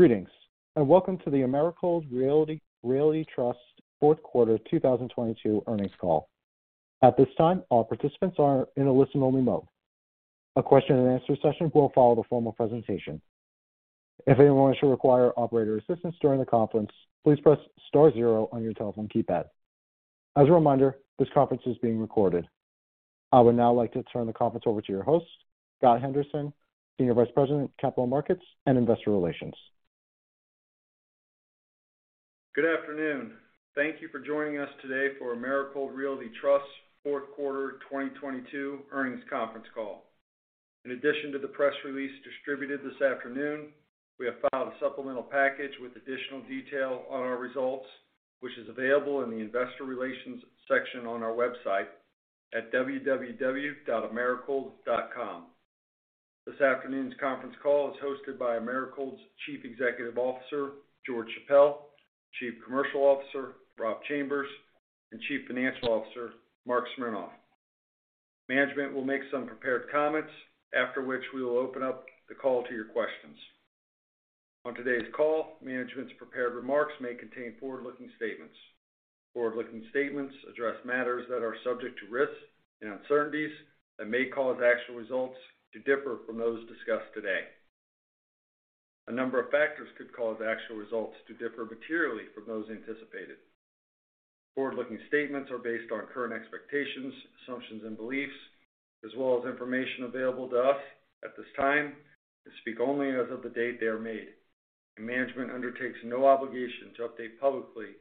Greetings, and welcome to the Americold Realty Trust Fourth Quarter 2022 earnings call. At this time, all participants are in a listen-only mode. A question-and-answer session will follow the formal presentation. If anyone should require operator assistance during the conference, please press star zero on your telephone keypad. As a reminder, this conference is being recorded. I would now like to turn the conference over to your host, Scott Henderson, Senior Vice President, Capital Markets and Investor Relations. Good afternoon. Thank you for joining us today for Americold Realty Trust Fourth Quarter 2022 earnings conference call. In addition to the press release distributed this afternoon, we have filed a supplemental package with additional detail on our results, which is available in the investor relations section on our website at www.americold.com. This afternoon's conference call is hosted by Americold's Chief Executive Officer, George Chappelle, Chief Commercial Officer, Rob Chambers, and Chief Financial Officer, Marc Smernoff. Management will make some prepared comments, after which we will open up the call to your questions. On today's call, management's prepared remarks may contain forward-looking statements. Forward-looking statements address matters that are subject to risks and uncertainties that may cause actual results to differ from those discussed today. A number of factors could cause actual results to differ materially from those anticipated. Forward-looking statements are based on current expectations, assumptions, and beliefs, as well as information available to us at this time. They speak only as of the date they are made, and management undertakes no obligation to update publicly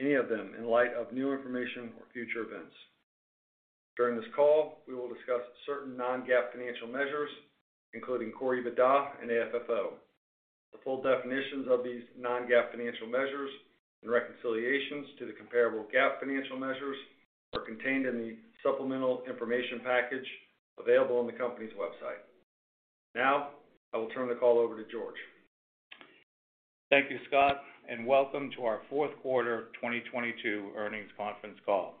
any of them in light of new information or future events. During this call, we will discuss certain non-GAAP financial measures, including Core EBITDA and AFFO. The full definitions of these non-GAAP financial measures and reconciliations to the comparable GAAP financial measures are contained in the supplemental information package available on the company's website. Now, I will turn the call over to George. Thank you, Scott. Welcome to our fourth quarter 2022 earnings conference call.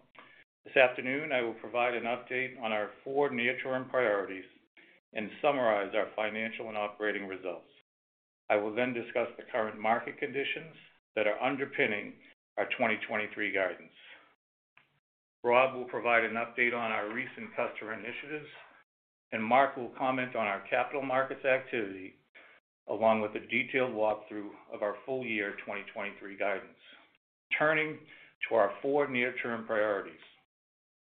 This afternoon, I will provide an update on our four near-term priorities and summarize our financial and operating results. I will discuss the current market conditions that are underpinning our 2023 guidance. Rob will provide an update on our recent customer initiatives, and Marc will comment on our capital markets activity, along with a detailed walkthrough of our full year 2023 guidance. Turning to our four near-term priorities.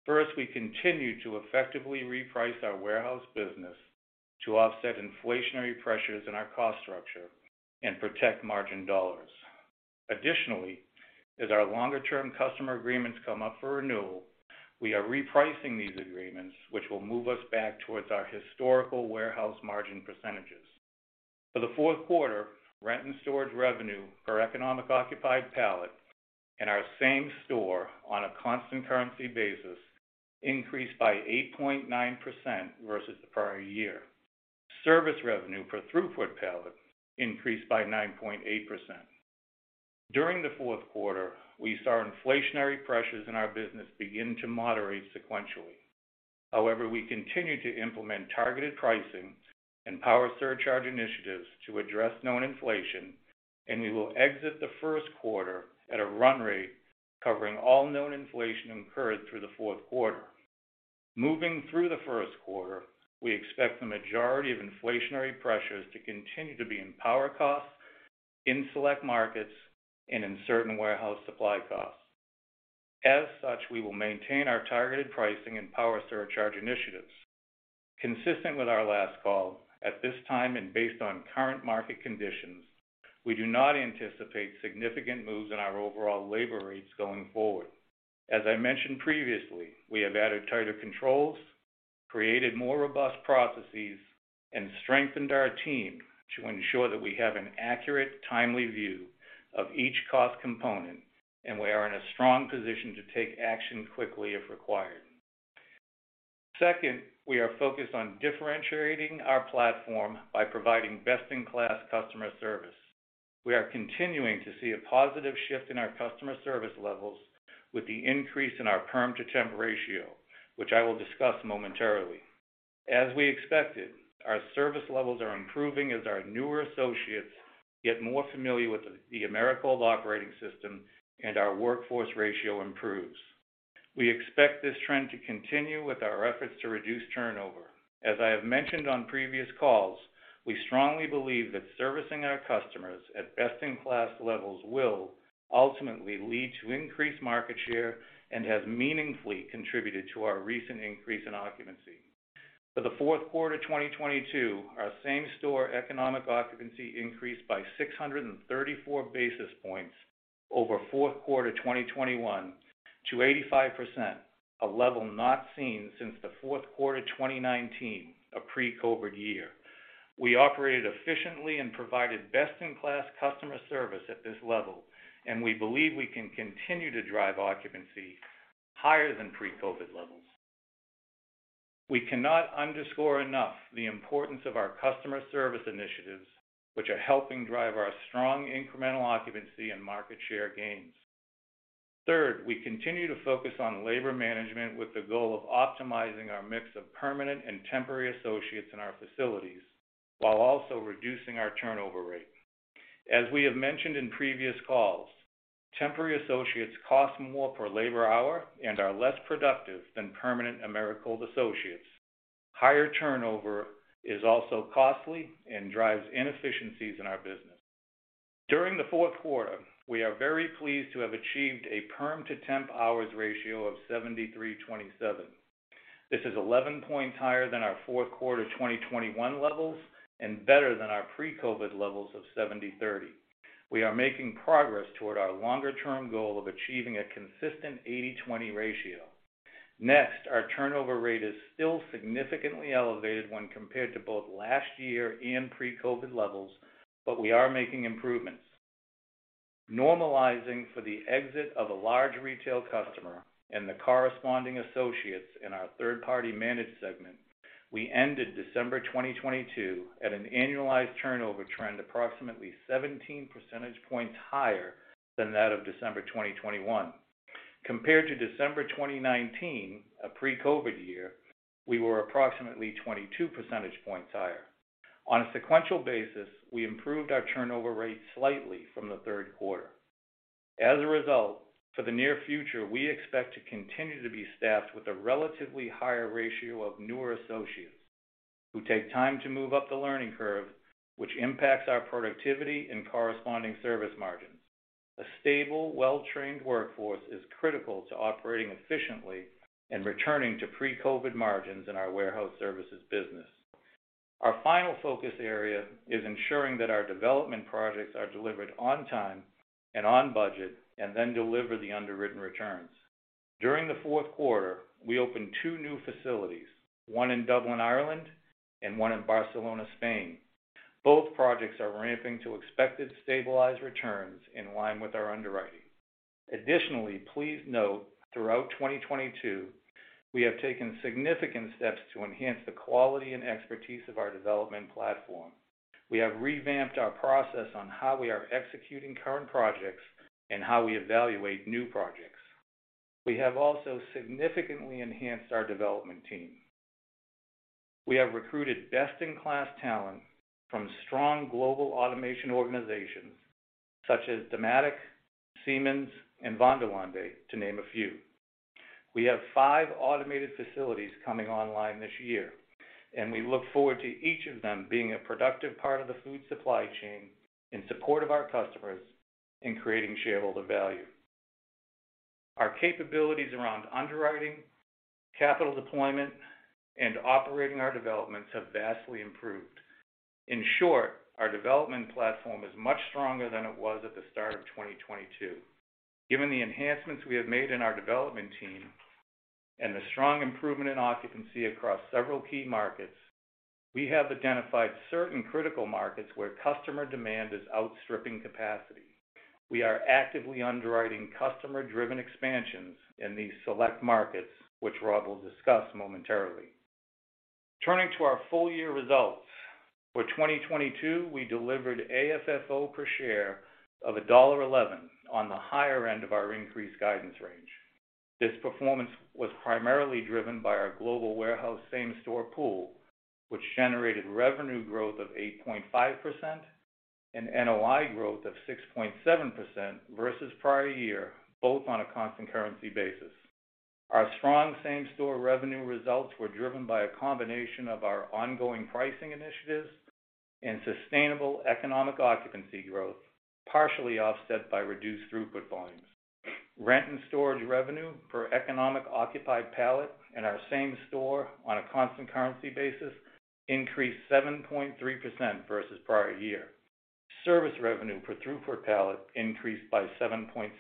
First, we continue to effectively reprice our warehouse business to offset inflationary pressures in our cost structure and protect margin dollars. Additionally, as our longer-term customer agreements come up for renewal, we are repricing these agreements, which will move us back towards our historical warehouse margin percentages. For the fourth quarter, rent and storage revenue per economic occupied pallet in our same store on a constant currency basis increased by 8.9% versus the prior year. Service revenue per throughput pallet increased by 9.8%. During the fourth quarter, we saw inflationary pressures in our business begin to moderate sequentially. However, we continue to implement targeted pricing and power surcharge initiatives to address known inflation, and we will exit the first quarter at a run rate covering all known inflation incurred through the fourth quarter. Moving through the first quarter, we expect the majority of inflationary pressures to continue to be in power costs in select markets and in certain warehouse supply costs. As such, we will maintain our targeted pricing and power surcharge initiatives. Consistent with our last call, at this time and based on current market conditions, we do not anticipate significant moves in our overall labor rates going forward. As I mentioned previously, we have added tighter controls, created more robust processes, and strengthened our team to ensure that we have an accurate, timely view of each cost component, and we are in a strong position to take action quickly if required. Second, we are focused on differentiating our platform by providing best-in-class customer service. We are continuing to see a positive shift in our customer service levels with the increase in our perm to temp ratio, which I will discuss momentarily. As we expected, our service levels are improving as our newer associates get more familiar with the Americold operating system and our workforce ratio improves. We expect this trend to continue with our efforts to reduce turnover. As I have mentioned on previous calls, we strongly believe that servicing our customers at best-in-class levels will ultimately lead to increased market share and has meaningfully contributed to our recent increase in occupancy. For the fourth quarter 2022, our same store economic occupancy increased by 634 basis points over fourth quarter 2021 to 85%, a level not seen since the fourth quarter 2019, a pre-COVID year. We operated efficiently and provided best-in-class customer service at this level. We believe we can continue to drive occupancy higher than pre-COVID levels. We cannot underscore enough the importance of our customer service initiatives, which are helping drive our strong incremental occupancy and market share gains. Third, we continue to focus on labor management with the goal of optimizing our mix of permanent and temporary associates in our facilities, while also reducing our turnover rate. As we have mentioned in previous calls, temporary associates cost more per labor hour and are less productive than permanent Americold associates. Higher turnover is also costly and drives inefficiencies in our business. During the fourth quarter, we are very pleased to have achieved a perm to temp hours ratio of 73/27. This is 11 points higher than our fourth quarter 2021 levels and better than our pre-COVID levels of 70/30. We are making progress toward our longer term goal of achieving a consistent 80/20 ratio. Our turnover rate is still significantly elevated when compared to both last year and pre-COVID levels, but we are making improvements. Normalizing for the exit of a large retail customer and the corresponding associates in our third-party managed segment, we ended December 2022 at an annualized turnover trend approximately 17 percentage points higher than that of December 2021. Compared to December 2019, a pre-COVID year, we were approximately 22 percentage points higher. On a sequential basis, we improved our turnover rate slightly from the third quarter. As a result, for the near future, we expect to continue to be staffed with a relatively higher ratio of newer associates who take time to move up the learning curve, which impacts our productivity and corresponding service margins. A stable, well-trained workforce is critical to operating efficiently and returning to pre-COVID margins in our warehouse services business. Our final focus area is ensuring that our development projects are delivered on time and on budget and then deliver the underwritten returns. During the fourth quarter, we opened two new facilities, one in Dublin, Ireland, and one in Barcelona, Spain. Both projects are ramping to expected stabilized returns in line with our underwriting. Additionally, please note throughout 2022, we have taken significant steps to enhance the quality and expertise of our development platform. We have revamped our process on how we are executing current projects and how we evaluate new projects. We have also significantly enhanced our development team. We have recruited best in class talent from strong global automation organizations such as Dematic, Siemens, and Vanderlande, to name a few. We have five automated facilities coming online this year, and we look forward to each of them being a productive part of the food supply chain in support of our customers in creating shareholder value. Our capabilities around underwriting, capital deployment, and operating our developments have vastly improved. In short, our development platform is much stronger than it was at the start of 2022. Given the enhancements we have made in our development team and the strong improvement in occupancy across several key markets, we have identified certain critical markets where customer demand is outstripping capacity. We are actively underwriting customer driven expansions in these select markets, which Rob will discuss momentarily. Turning to our full year results. For 2022, we delivered AFFO per share of $1.11 on the higher end of our increased guidance range. This performance was primarily driven by our global warehouse same-store pool, which generated revenue growth of 8.5% and NOI growth of 6.7% versus prior year, both on a constant currency basis. Our strong same-store revenue results were driven by a combination of our ongoing pricing initiatives and sustainable economic occupancy growth, partially offset by reduced throughput volumes. Rent and storage revenue per economic occupied pallet in our same store on a constant currency basis increased 7.3% versus prior year. Service revenue per throughput pallet increased by 7.7%.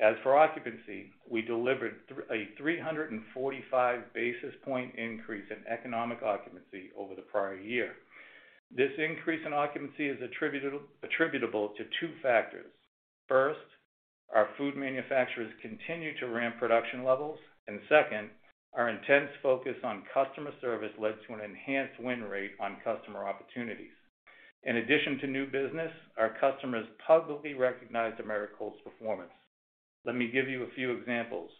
As for occupancy, we delivered a 345 basis point increase in economic occupancy over the prior year. This increase in occupancy is attributable to two factors. First, our food manufacturers continue to ramp production levels. Second, our intense focus on customer service led to an enhanced win rate on customer opportunities. In addition to new business, our customers publicly recognized Americold's performance. Let me give you a few examples.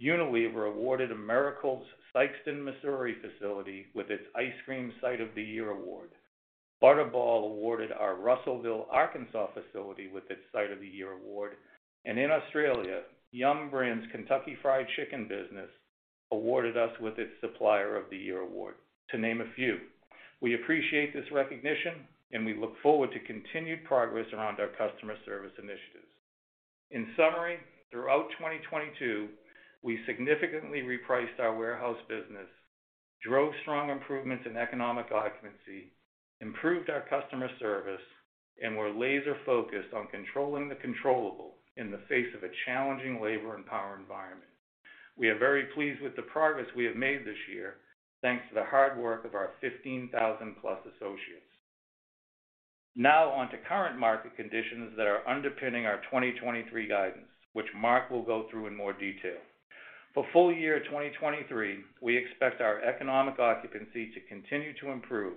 Unilever awarded Americold's Sikeston, Missouri facility with its Ice Cream Site of the Year award. Butterball awarded our Russellville, Arkansas facility with its Site of the Year award. In Australia, Yum! Brands Kentucky Fried Chicken business awarded us with its Supplier of the Year award, to name a few. We appreciate this recognition and we look forward to continued progress around our customer service initiatives. In summary, throughout 2022, we significantly repriced our warehouse business, drove strong improvements in economic occupancy, improved our customer service, and we're laser-focused on controlling the controllable in the face of a challenging labor and power environment. We are very pleased with the progress we have made this year thanks to the hard work of our 15,000+ associates. On to current market conditions that are underpinning our 2023 guidance, which Marc will go through in more detail. For full year 2023, we expect our economic occupancy to continue to improve,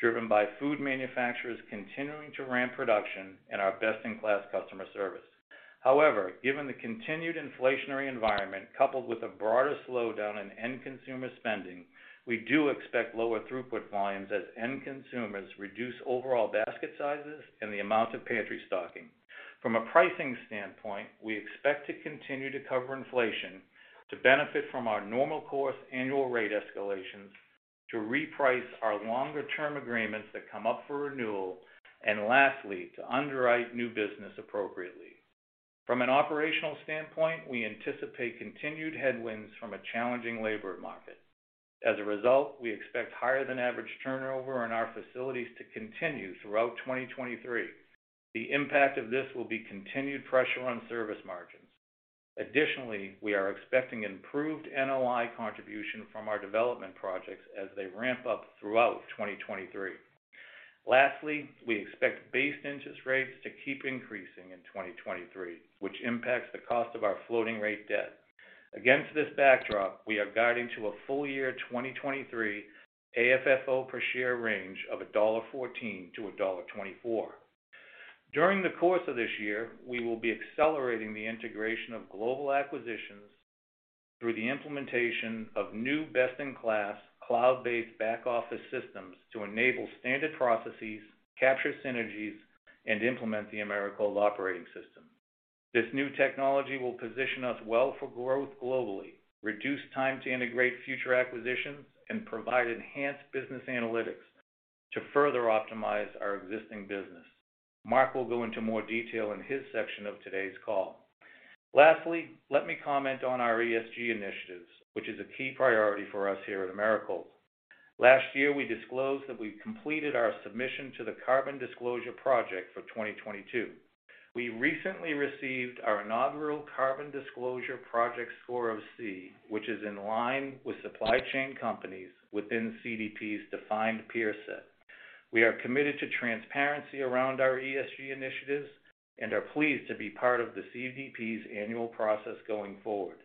driven by food manufacturers continuing to ramp production and our best-in-class customer service. Given the continued inflationary environment, coupled with a broader slowdown in end consumer spending, we do expect lower throughput volumes as end consumers reduce overall basket sizes and the amount of pantry stocking. From a pricing standpoint, we expect to continue to cover inflation to benefit from our normal course annual rate escalations to reprice our longer term agreements that come up for renewal, and lastly, to underwrite new business appropriately. From an operational standpoint, we anticipate continued headwinds from a challenging labor market. We expect higher than average turnover in our facilities to continue throughout 2023. The impact of this will be continued pressure on service margins. We are expecting improved NOI contribution from our development projects as they ramp up throughout 2023. Lastly, we expect base interest rates to keep increasing in 2023, which impacts the cost of our floating rate debt. Against this backdrop, we are guiding to a full year 2023 AFFO per share range of $1.14 to $1.24. During the course of this year, we will be accelerating the integration of global acquisitions through the implementation of new best-in-class cloud-based back office systems to enable standard processes, capture synergies, and implement the Americold operating system. This new technology will position us well for growth globally, reduce time to integrate future acquisitions, and provide enhanced business analytics to further optimize our existing business. Marc will go into more detail in his section of today's call. Lastly, let me comment on our ESG initiatives, which is a key priority for us here at Americold. Last year, we disclosed that we completed our submission to the Carbon Disclosure Project for 2022. We recently received our inaugural Carbon Disclosure Project score of C, which is in line with supply chain companies within CDP's defined peer set. We are committed to transparency around our ESG initiatives and are pleased to be part of the CDP's annual process going forward.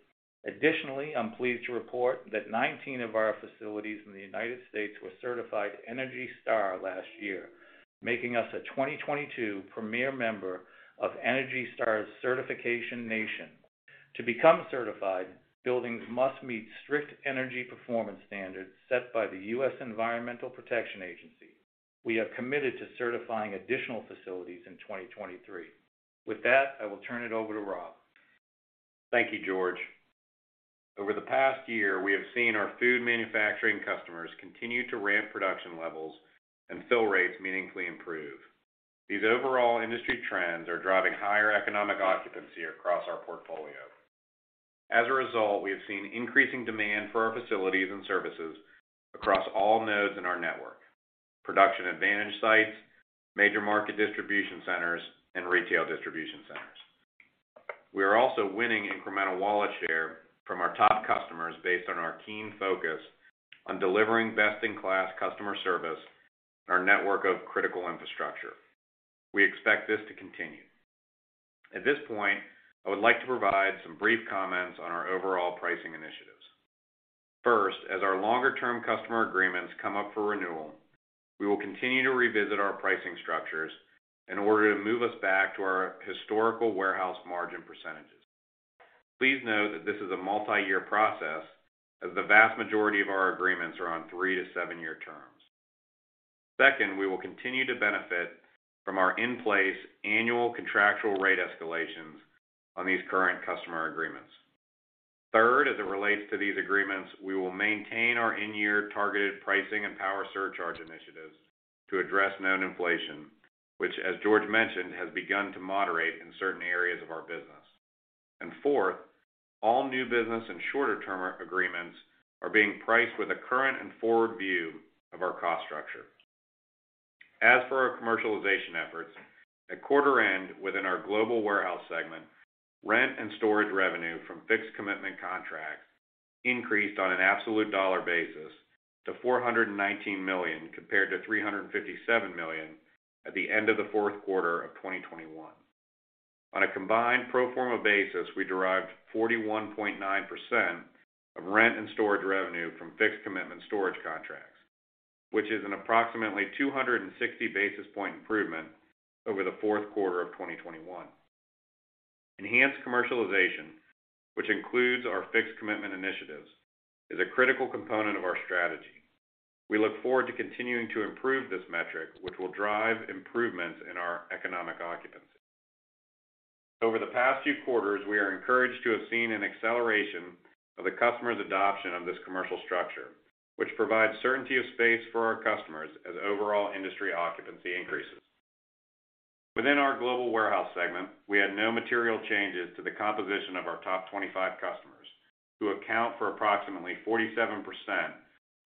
I'm pleased to report that 19 of our facilities in the U.S. were certified ENERGY STAR last year, making us a 2022 premier member of ENERGY STAR's Certification Nation. To become certified, buildings must meet strict energy performance standards set by the U.S. Environmental Protection Agency. We have committed to certifying additional facilities in 2023. With that, I will turn it over to Rob. Thank you, George. Over the past year, we have seen our food manufacturing customers continue to ramp production levels and fill rates meaningfully improve. These overall industry trends are driving higher economic occupancy across our portfolio. As a result, we have seen increasing demand for our facilities and services across all nodes in our network, production advantage sites, major market distribution centers, and retail distribution centers. We are also winning incremental wallet share from our top customers based on our keen focus on delivering best-in-class customer service and our network of critical infrastructure. We expect this to continue. At this point, I would like to provide some brief comments on our overall pricing initiatives. First, as our longer-term customer agreements come up for renewal, we will continue to revisit our pricing structures in order to move us back to our historical warehouse margin percentages. Please note that this is a multi-year process, as the vast majority of our agreements are on 3 to 7-year terms. Second, we will continue to benefit from our in-place annual contractual rate escalations on these current customer agreements. Third, as it relates to these agreements, we will maintain our in-year targeted pricing and power surcharge initiatives to address known inflation, which, as George mentioned, has begun to moderate in certain areas of our business. Fourth, all new business and shorter-term agreements are being priced with a current and forward view of our cost structure. As for our commercialization efforts, at quarter end, within our global warehouse segment, rent and storage revenue from fixed commitment contracts increased on an absolute dollar basis to $419 million compared to $357 million at the end of the fourth quarter of 2021. On a combined pro forma basis, we derived 41.9% of rent and storage revenue from fixed commitment storage contracts, which is an approximately 260 basis point improvement over the fourth quarter of 2021. Enhanced commercialization, which includes our fixed commitment initiatives, is a critical component of our strategy. We look forward to continuing to improve this metric, which will drive improvements in our economic occupancy. Over the past few quarters, we are encouraged to have seen an acceleration of the customer's adoption of this commercial structure, which provides certainty of space for our customers as overall industry occupancy increases. Within our global warehouse segment, we had no material changes to the composition of our top 25 customers, who account for approximately 47%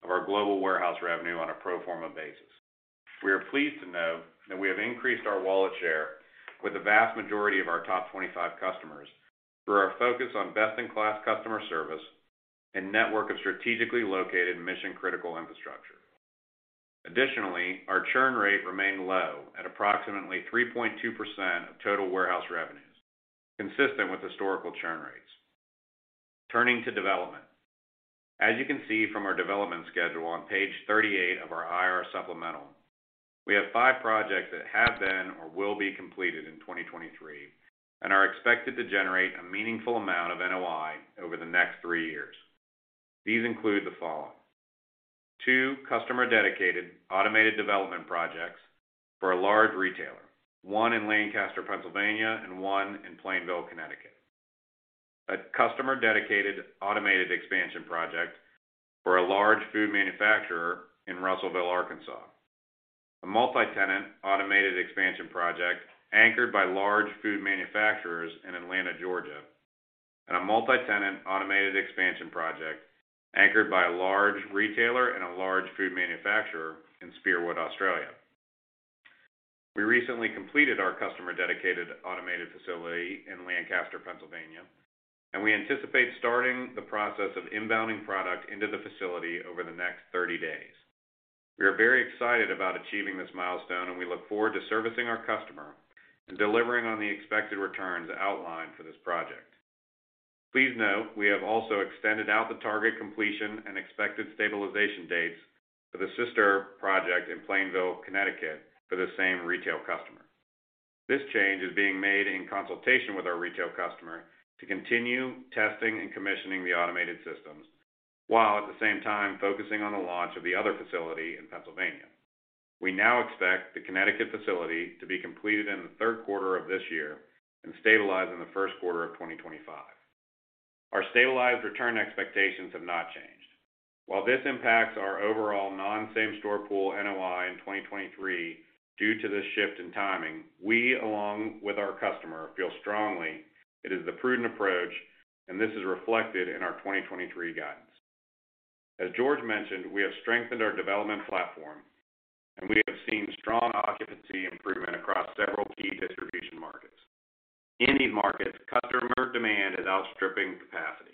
of our global warehouse revenue on a pro forma basis. We are pleased to note that we have increased our wallet share with the vast majority of our top 25 customers through our focus on best-in-class customer service and network of strategically located mission-critical infrastructure. Additionally, our churn rate remained low at approximately 3.2% of total warehouse revenues, consistent with historical churn rates. Turning to development. As you can see from our development schedule on page 38 of our IR supplemental, we have five projects that have been or will be completed in 2023 and are expected to generate a meaningful amount of NOI over the next three years. These include the following: two customer dedicated automated development projects for a large retailer, one in Lancaster, Pennsylvania and one in Plainville, Connecticut. A customer dedicated automated expansion project for a large food manufacturer in Russellville, Arkansas. A multi-tenant automated expansion project anchored by large food manufacturers in Atlanta, Georgia, and a multi-tenant automated expansion project anchored by a large retailer and a large food manufacturer in Spearwood, Australia. We recently completed our customer dedicated automated facility in Lancaster, Pennsylvania, and we anticipate starting the process of inbounding product into the facility over the next 30 days. We are very excited about achieving this milestone and we look forward to servicing our customer and delivering on the expected returns outlined for this project. Please note we have also extended out the target completion and expected stabilization dates for the sister project in Plainville, Connecticut for the same retail customer. This change is being made in consultation with our retail customer to continue testing and commissioning the automated systems, while at the same time focusing on the launch of the other facility in Pennsylvania. We now expect the Connecticut facility to be completed in the third quarter of this year and stabilize in the first quarter of 2025. Our stabilized return expectations have not changed. While this impacts our overall non-same store pool NOI in 2023 due to this shift in timing, we along with our customer feel strongly it is the prudent approach and this is reflected in our 2023 guidance. As George mentioned, we have strengthened our development platform. We have seen strong occupancy improvement across several key distribution markets. In these markets, customer demand is outstripping capacity.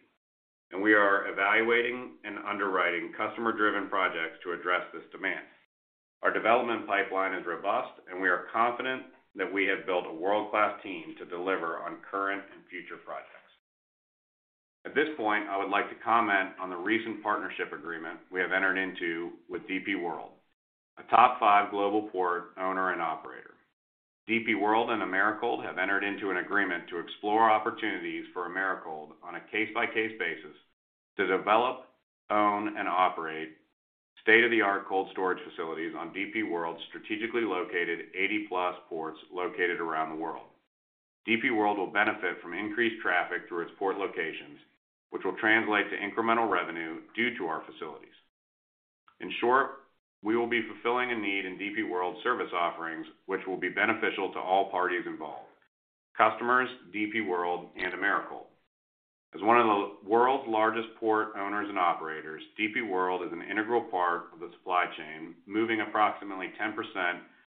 We are evaluating and underwriting customer driven projects to address this demand. Our development pipeline is robust. We are confident that we have built a world-class team to deliver on current and future projects. At this point, I would like to comment on the recent partnership agreement we have entered into with DP World, a top 5 global port owner and operator. DP World and Americold have entered into an agreement to explore opportunities for Americold on a case-by-case basis to develop, own, and operate state-of-the-art cold storage facilities on DP World's strategically located 80+ ports located around the world. DP World will benefit from increased traffic through its port locations, which will translate to incremental revenue due to our facilities. In short, we will be fulfilling a need in DP World's service offerings, which will be beneficial to all parties involved: customers, DP World and Americold. As one of the world's largest port owners and operators, DP World is an integral part of the supply chain, moving approximately 10%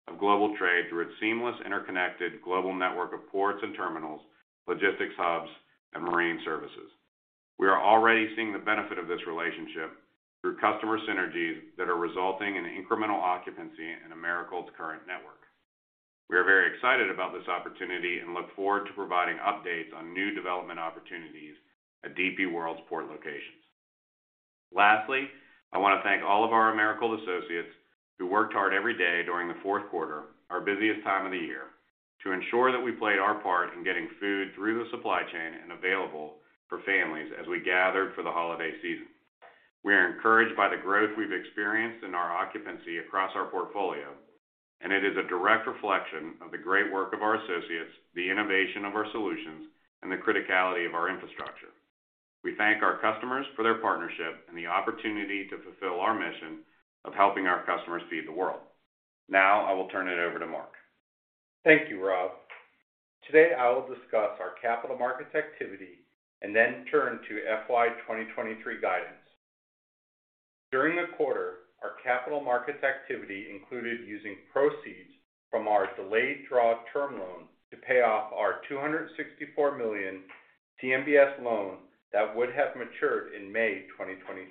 of global trade through its seamless, interconnected global network of ports and terminals, logistics hubs and marine services. We are already seeing the benefit of this relationship through customer synergies that are resulting in incremental occupancy in Americold's current network. We are very excited about this opportunity and look forward to providing updates on new development opportunities at DP World's port locations. Lastly, I want to thank all of our Americold associates who worked hard every day during the fourth quarter, our busiest time of the year, to ensure that we played our part in getting food through the supply chain and available for families as we gathered for the holiday season. We are encouraged by the growth we've experienced in our occupancy across our portfolio. It is a direct reflection of the great work of our associates, the innovation of our solutions, and the criticality of our infrastructure. We thank our customers for their partnership and the opportunity to fulfill our mission of helping our customers feed the world. Now, I will turn it over to Marc. Thank you, Rob. Today, I will discuss our capital markets activity and then turn to FY 2023 guidance. During the quarter, our capital markets activity included using proceeds from our delayed draw term loan to pay off our $264 million CMBS loan that would have matured in May 2023.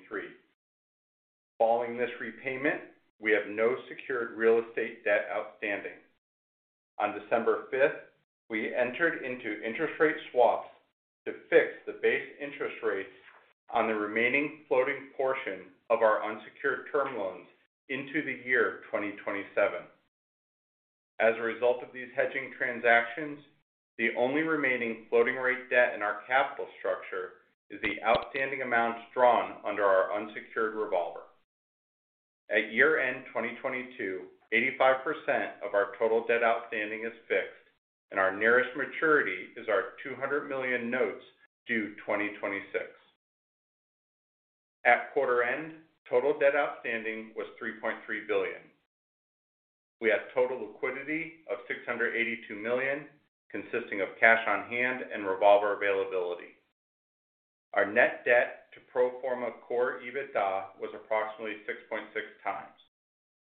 Following this repayment, we have no secured real estate debt outstanding. On December 5th, we entered into interest rate swaps to fix the base interest rates on the remaining floating portion of our unsecured term loans into the year 2027. As a result of these hedging transactions, the only remaining floating rate debt in our capital structure is the outstanding amount drawn under our unsecured revolver. At year-end 2022, 85% of our total debt outstanding is fixed, and our nearest maturity is our $200 million notes due 2026. At quarter end, total debt outstanding was $3.3 billion. We have total liquidity of $682 million, consisting of cash on hand and revolver availability. Our net debt to pro forma Core EBITDA was approximately 6.6x.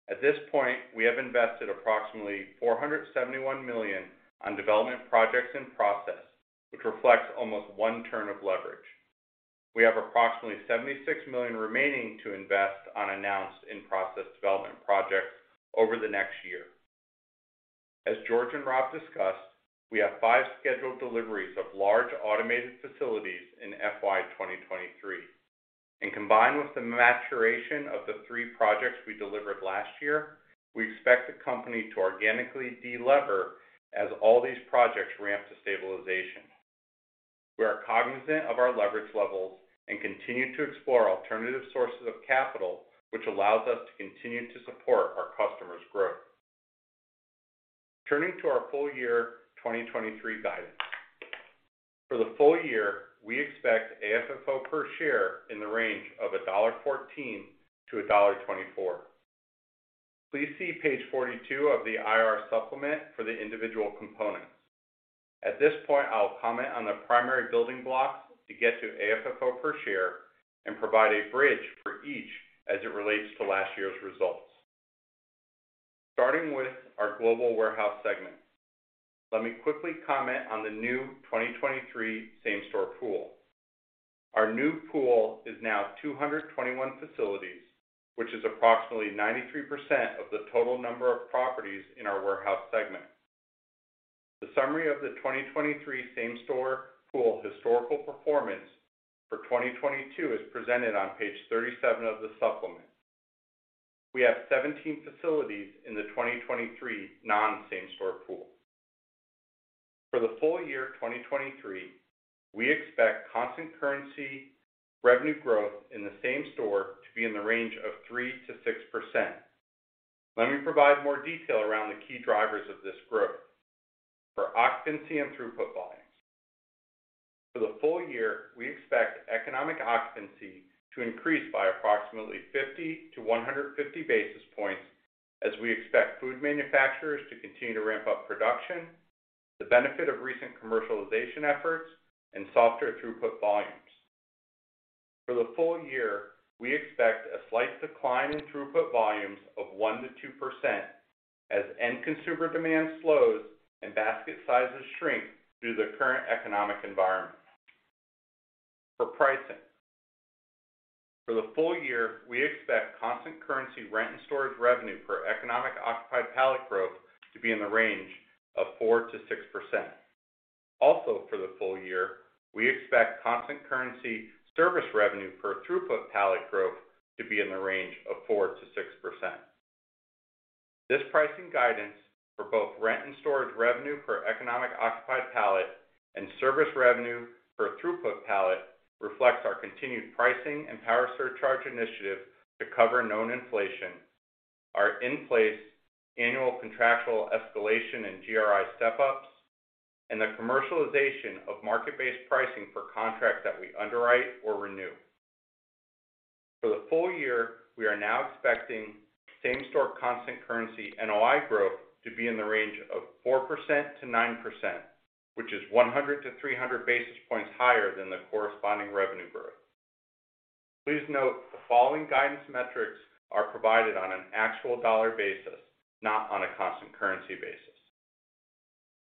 At this point, we have invested approximately $471 million on development projects in process, which reflects almost one turn of leverage. We have approximately $76 million remaining to invest on announced in-process development projects over the next year. As George and Rob discussed, we have five scheduled deliveries of large automated facilities in FY 2023. Combined with the maturation of the three projects we delivered last year, we expect the company to organically de-lever as all these projects ramp to stabilization. We are cognizant of our leverage levels and continue to explore alternative sources of capital, which allows us to continue to support our customers' growth. Turning to our full year 2023 guidance. For the full year, we expect AFFO per share in the range of $1.14-$1.24. Please see page 42 of the IR supplement for the individual components. At this point, I will comment on the primary building blocks to get to AFFO per share and provide a bridge for each as it relates to last year's results. Starting with our global warehouse segment. Let me quickly comment on the new 2023 same-store pool. Our new pool is now 221 facilities, which is approximately 93% of the total number of properties in our warehouse segment. The summary of the 2023 same-store pool historical performance for 2022 is presented on page 37 of the supplement. We have 17 facilities in the 2023 non-same-store pool. For the full year 2023, we expect constant currency revenue growth in the same store to be in the range of 3%-6%. Let me provide more detail around the key drivers of this growth. For occupancy and throughput volumes. For the full year, we expect economic occupancy to increase by approximately 50-150 basis points as we expect food manufacturers to continue to ramp up production, the benefit of recent commercialization efforts, and softer throughput volumes. For the full year, we expect a slight decline in throughput volumes of 1%-2% as end consumer demand slows and basket sizes shrink due to the current economic environment. For pricing. For the full year, we expect constant currency rent and storage revenue per economic occupied pallet growth to be in the range of 4%-6%. For the full year, we expect constant currency service revenue per throughput pallet growth to be in the range of 4%-6%. This pricing guidance for both rent and storage revenue per economic occupied pallet and service revenue per throughput pallet reflects our continued pricing and power surcharge initiative to cover known inflation, our in-place annual contractual escalation and GRI step-ups, and the commercialization of market-based pricing for contracts that we underwrite or renew. For the full year, we are now expecting same-store constant currency NOI growth to be in the range of 4%-9%, which is 100-300 basis points higher than the corresponding revenue growth. Please note, the following guidance metrics are provided on an actual dollar basis, not on a constant currency basis.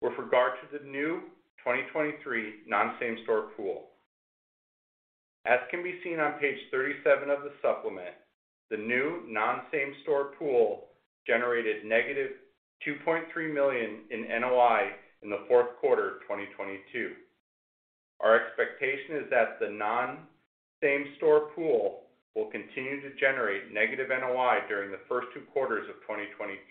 With regard to the new 2023 non-same-store pool. As can be seen on page 37 of the supplement, the new non-same-store pool generated negative $2.3 million in NOI in the fourth quarter of 2022. Our expectation is that the non-same-store pool will continue to generate negative NOI during the first two quarters of 2023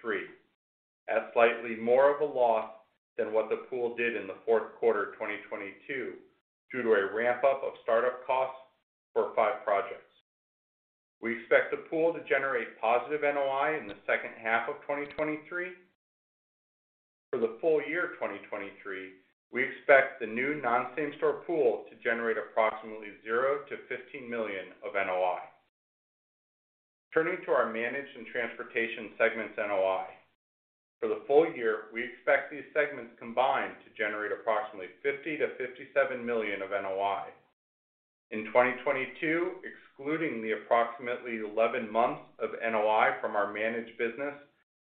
at slightly more of a loss than what the pool did in the fourth quarter of 2022 due to a ramp-up of start-up costs for five projects. We expect the pool to generate positive NOI in the second half of 2023. For the full year of 2023, we expect the new non-same-store pool to generate approximately $0-$15 million of NOI. Turning to our managed and transportation segment's NOI. For the full year, we expect these segments combined to generate approximately $50 million-$57 million of NOI. In 2022, excluding the approximately 11 months of NOI from our managed business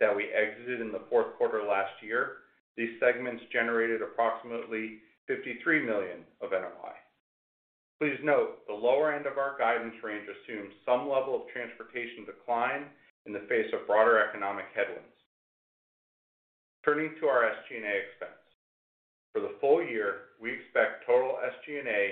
that we exited in the fourth quarter last year, these segments generated approximately $53 million of NOI. Please note, the lower end of our guidance range assumes some level of transportation decline in the face of broader economic headwinds. Turning to our SG&A expense. For the full year, we expect total SG&A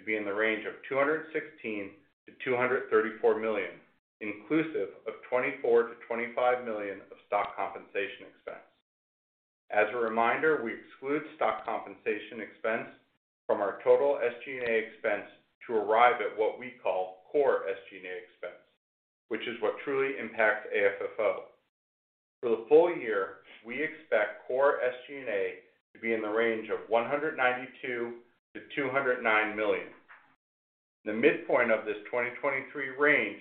to be in the range of $216 million-$234 million, inclusive of $24 million-$25 million of stock compensation expense. As a reminder, we exclude stock compensation expense from our total SG&A expense to arrive at what we call core SG&A expense, which is what truly impacts AFFO. For the full year, we expect core SG&A to be in the range of $192 million-$209 million. The midpoint of this 2023 range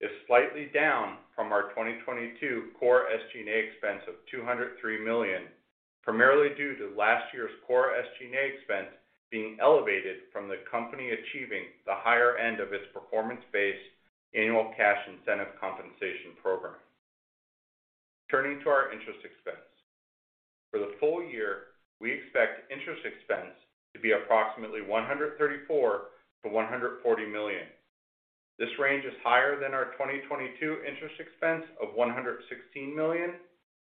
is slightly down from our 2022 core SG&A expense of $203 million, primarily due to last year's core SG&A expense being elevated from the company achieving the higher end of its performance-based annual cash incentive compensation program. Turning to our interest expense. For the full year, we expect interest expense to be approximately $134 million-$140 million. This range is higher than our 2022 interest expense of $116 million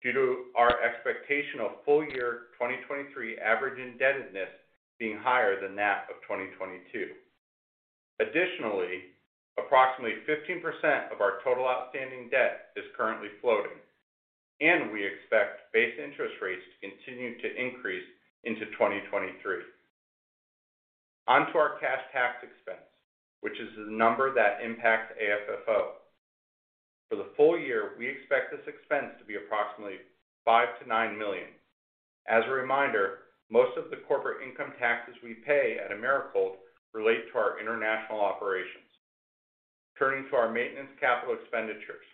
due to our expectation of full year 2023 average indebtedness being higher than that of 2022. Additionally, approximately 15% of our total outstanding debt is currently floating. We expect base interest rates to continue to increase into 2023. On to our cash tax expense, which is the number that impacts AFFO. For the full year, we expect this expense to be approximately $5 million-$9 million. As a reminder, most of the corporate income taxes we pay at Americold relate to our international operations. Turning to our maintenance capital expenditures.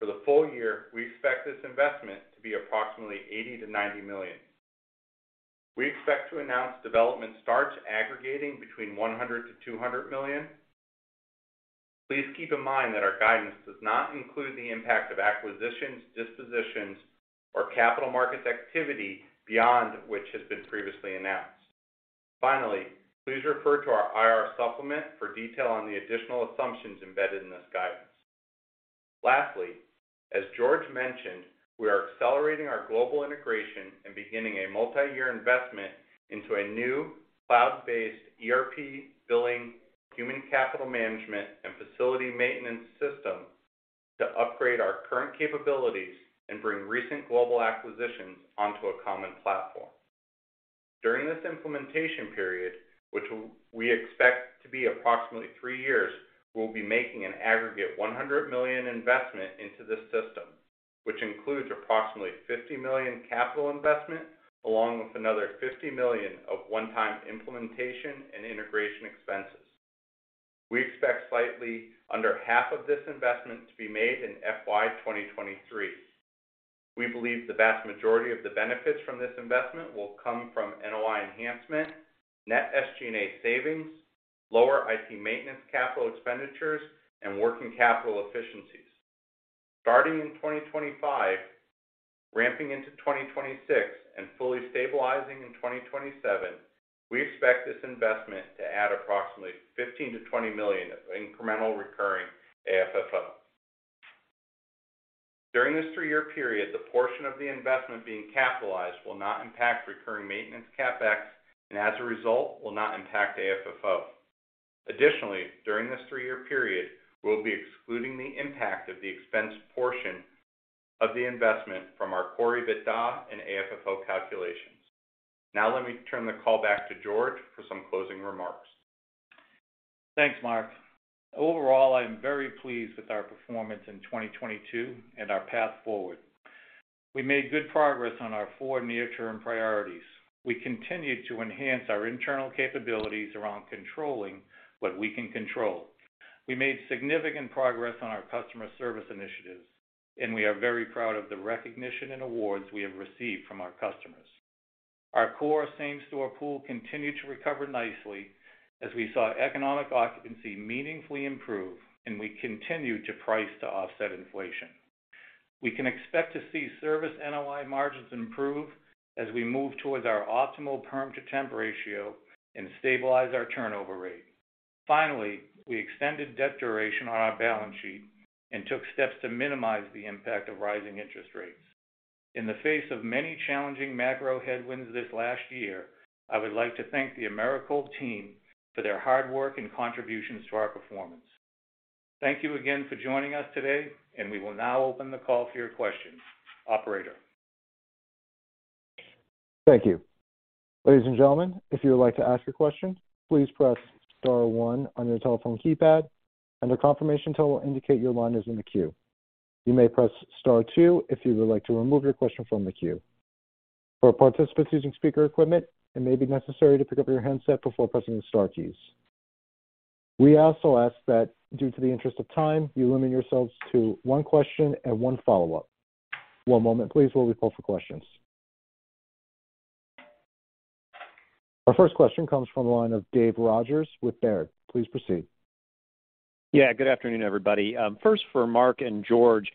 For the full year, we expect this investment to be approximately $80 million-$90 million. We expect to announce development starts aggregating between $100 million-$200 million. Please keep in mind that our guidance does not include the impact of acquisitions, dispositions, or capital markets activity beyond which has been previously announced. Please refer to our IR supplement for detail on the additional assumptions embedded in this guidance. Lastly, as George mentioned, we are accelerating our global integration and beginning a multi-year investment into a new cloud-based ERP, billing, human capital management, and facility maintenance system to upgrade our current capabilities and bring recent global acquisitions onto a common platform. During this implementation period, which we expect to be approximately three years, we'll be making an aggregate $100 million investment into this system, which includes approximately $50 million capital investment, along with another $50 million of one-time implementation and integration expenses. We expect slightly under half of this investment to be made in FY 2023. We believe the vast majority of the benefits from this investment will come from NOI enhancement, net SG&A savings, lower IT maintenance capital expenditures, and working capital efficiencies. Starting in 2025, ramping into 2026, and fully stabilizing in 2027, we expect this investment to add approximately $15 million-$20 million of incremental recurring AFFO. During this three-year period, the portion of the investment being capitalized will not impact recurring maintenance CapEx and, as a result, will not impact AFFO. Additionally, during this three-year period, we'll be excluding the impact of the expense portion of the investment from our Core EBITDA and AFFO calculations. Let me turn the call back to George for some closing remarks. Thanks, Marc. Overall, I am very pleased with our performance in 2022 and our path forward. We made good progress on our four near-term priorities. We continued to enhance our internal capabilities around controlling what we can control. We made significant progress on our customer service initiatives, and we are very proud of the recognition and awards we have received from our customers. Our core same-store pool continued to recover nicely as we saw economic occupancy meaningfully improve, and we continued to price to offset inflation. We can expect to see service NOI margins improve as we move towards our optimal perm to temp ratio and stabilize our turnover rate. Finally, we extended debt duration on our balance sheet and took steps to minimize the impact of rising interest rates. In the face of many challenging macro headwinds this last year, I would like to thank the Americold team for their hard work and contributions to our performance. Thank you again for joining us today, and we will now open the call for your questions. Operator? Thank you. Ladies and gentlemen, if you would like to ask a question, please press star one on your telephone keypad, and a confirmation tone will indicate your line is in the queue. You may press star two if you would like to remove your question from the queue. For participants using speaker equipment, it may be necessary to pick up your handset before pressing the star keys. We also ask that, due to the interest of time, you limit yourselves to one question and one follow-up. One moment, please, while we pull for questions. Our first question comes from the line of David Rodgers with Baird. Please proceed. Good afternoon, everybody. First for Marc and George.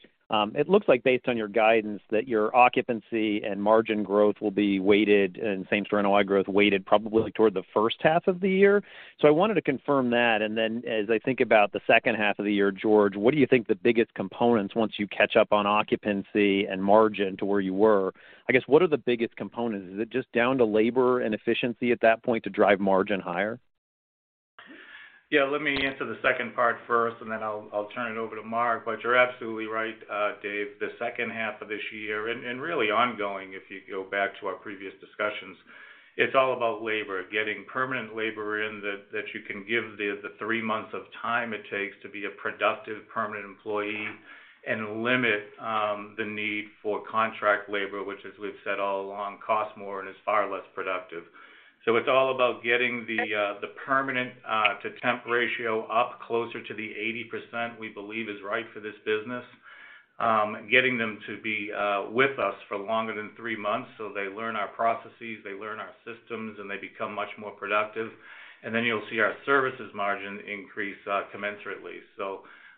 It looks like based on your guidance, that your occupancy and margin growth will be weighted and same-store NOI growth weighted probably toward the first half of the year. I wanted to confirm that, as I think about the second half of the year, George, what do you think the biggest components once you catch up on occupancy and margin to where you were? I guess, what are the biggest components? Is it just down to labor and efficiency at that point to drive margin higher? Yeah. Let me answer the second part first, and then I'll turn it over to Marc. You're absolutely right, Dave. The second half of this year and really ongoing, if you go back to our previous discussions, it's all about labor, getting permanent labor in that you can give the three months of time it takes to be a productive permanent employee and limit the need for contract labor, which, as we've said all along, costs more and is far less productive. It's all about getting the permanent to temp ratio up closer to the 80% we believe is right for this business. Getting them to be with us for longer than three months, so they learn our processes, they learn our systems, and they become much more productive. You'll see our services margin increase commensurately.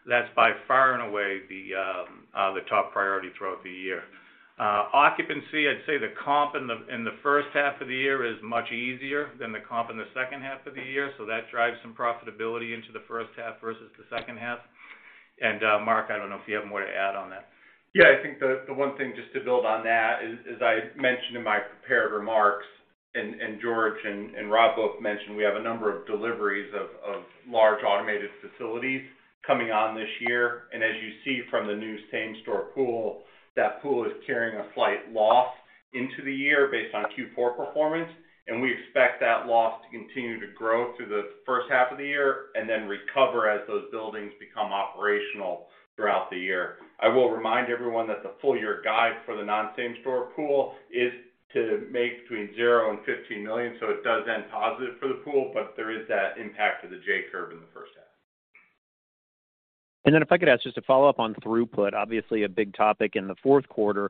That's by far and away the top priority throughout the year. Occupancy, I'd say the comp in the first half of the year is much easier than the comp in the second half of the year, so that drives some profitability into the first half versus the second half. Marc, I don't know if you have more to add on that. Yeah. I think the one thing, just to build on that is, as I mentioned in my prepared remarks, and George and Rob both mentioned, we have a number of deliveries of large automated facilities coming on this year. As you see from the new same-store pool, that pool is carrying a slight loss into the year based on Q4 performance, and we expect that loss to continue to grow through the first half of the year and then recover as those buildings become operational throughout the year. I will remind everyone that the full year guide for the non-same store pool is to make between $0 and $15 million, so it does end positive for the pool, but there is that impact to the J-curve in the first half. If I could ask just a follow-up on throughput, obviously a big topic in the fourth quarter.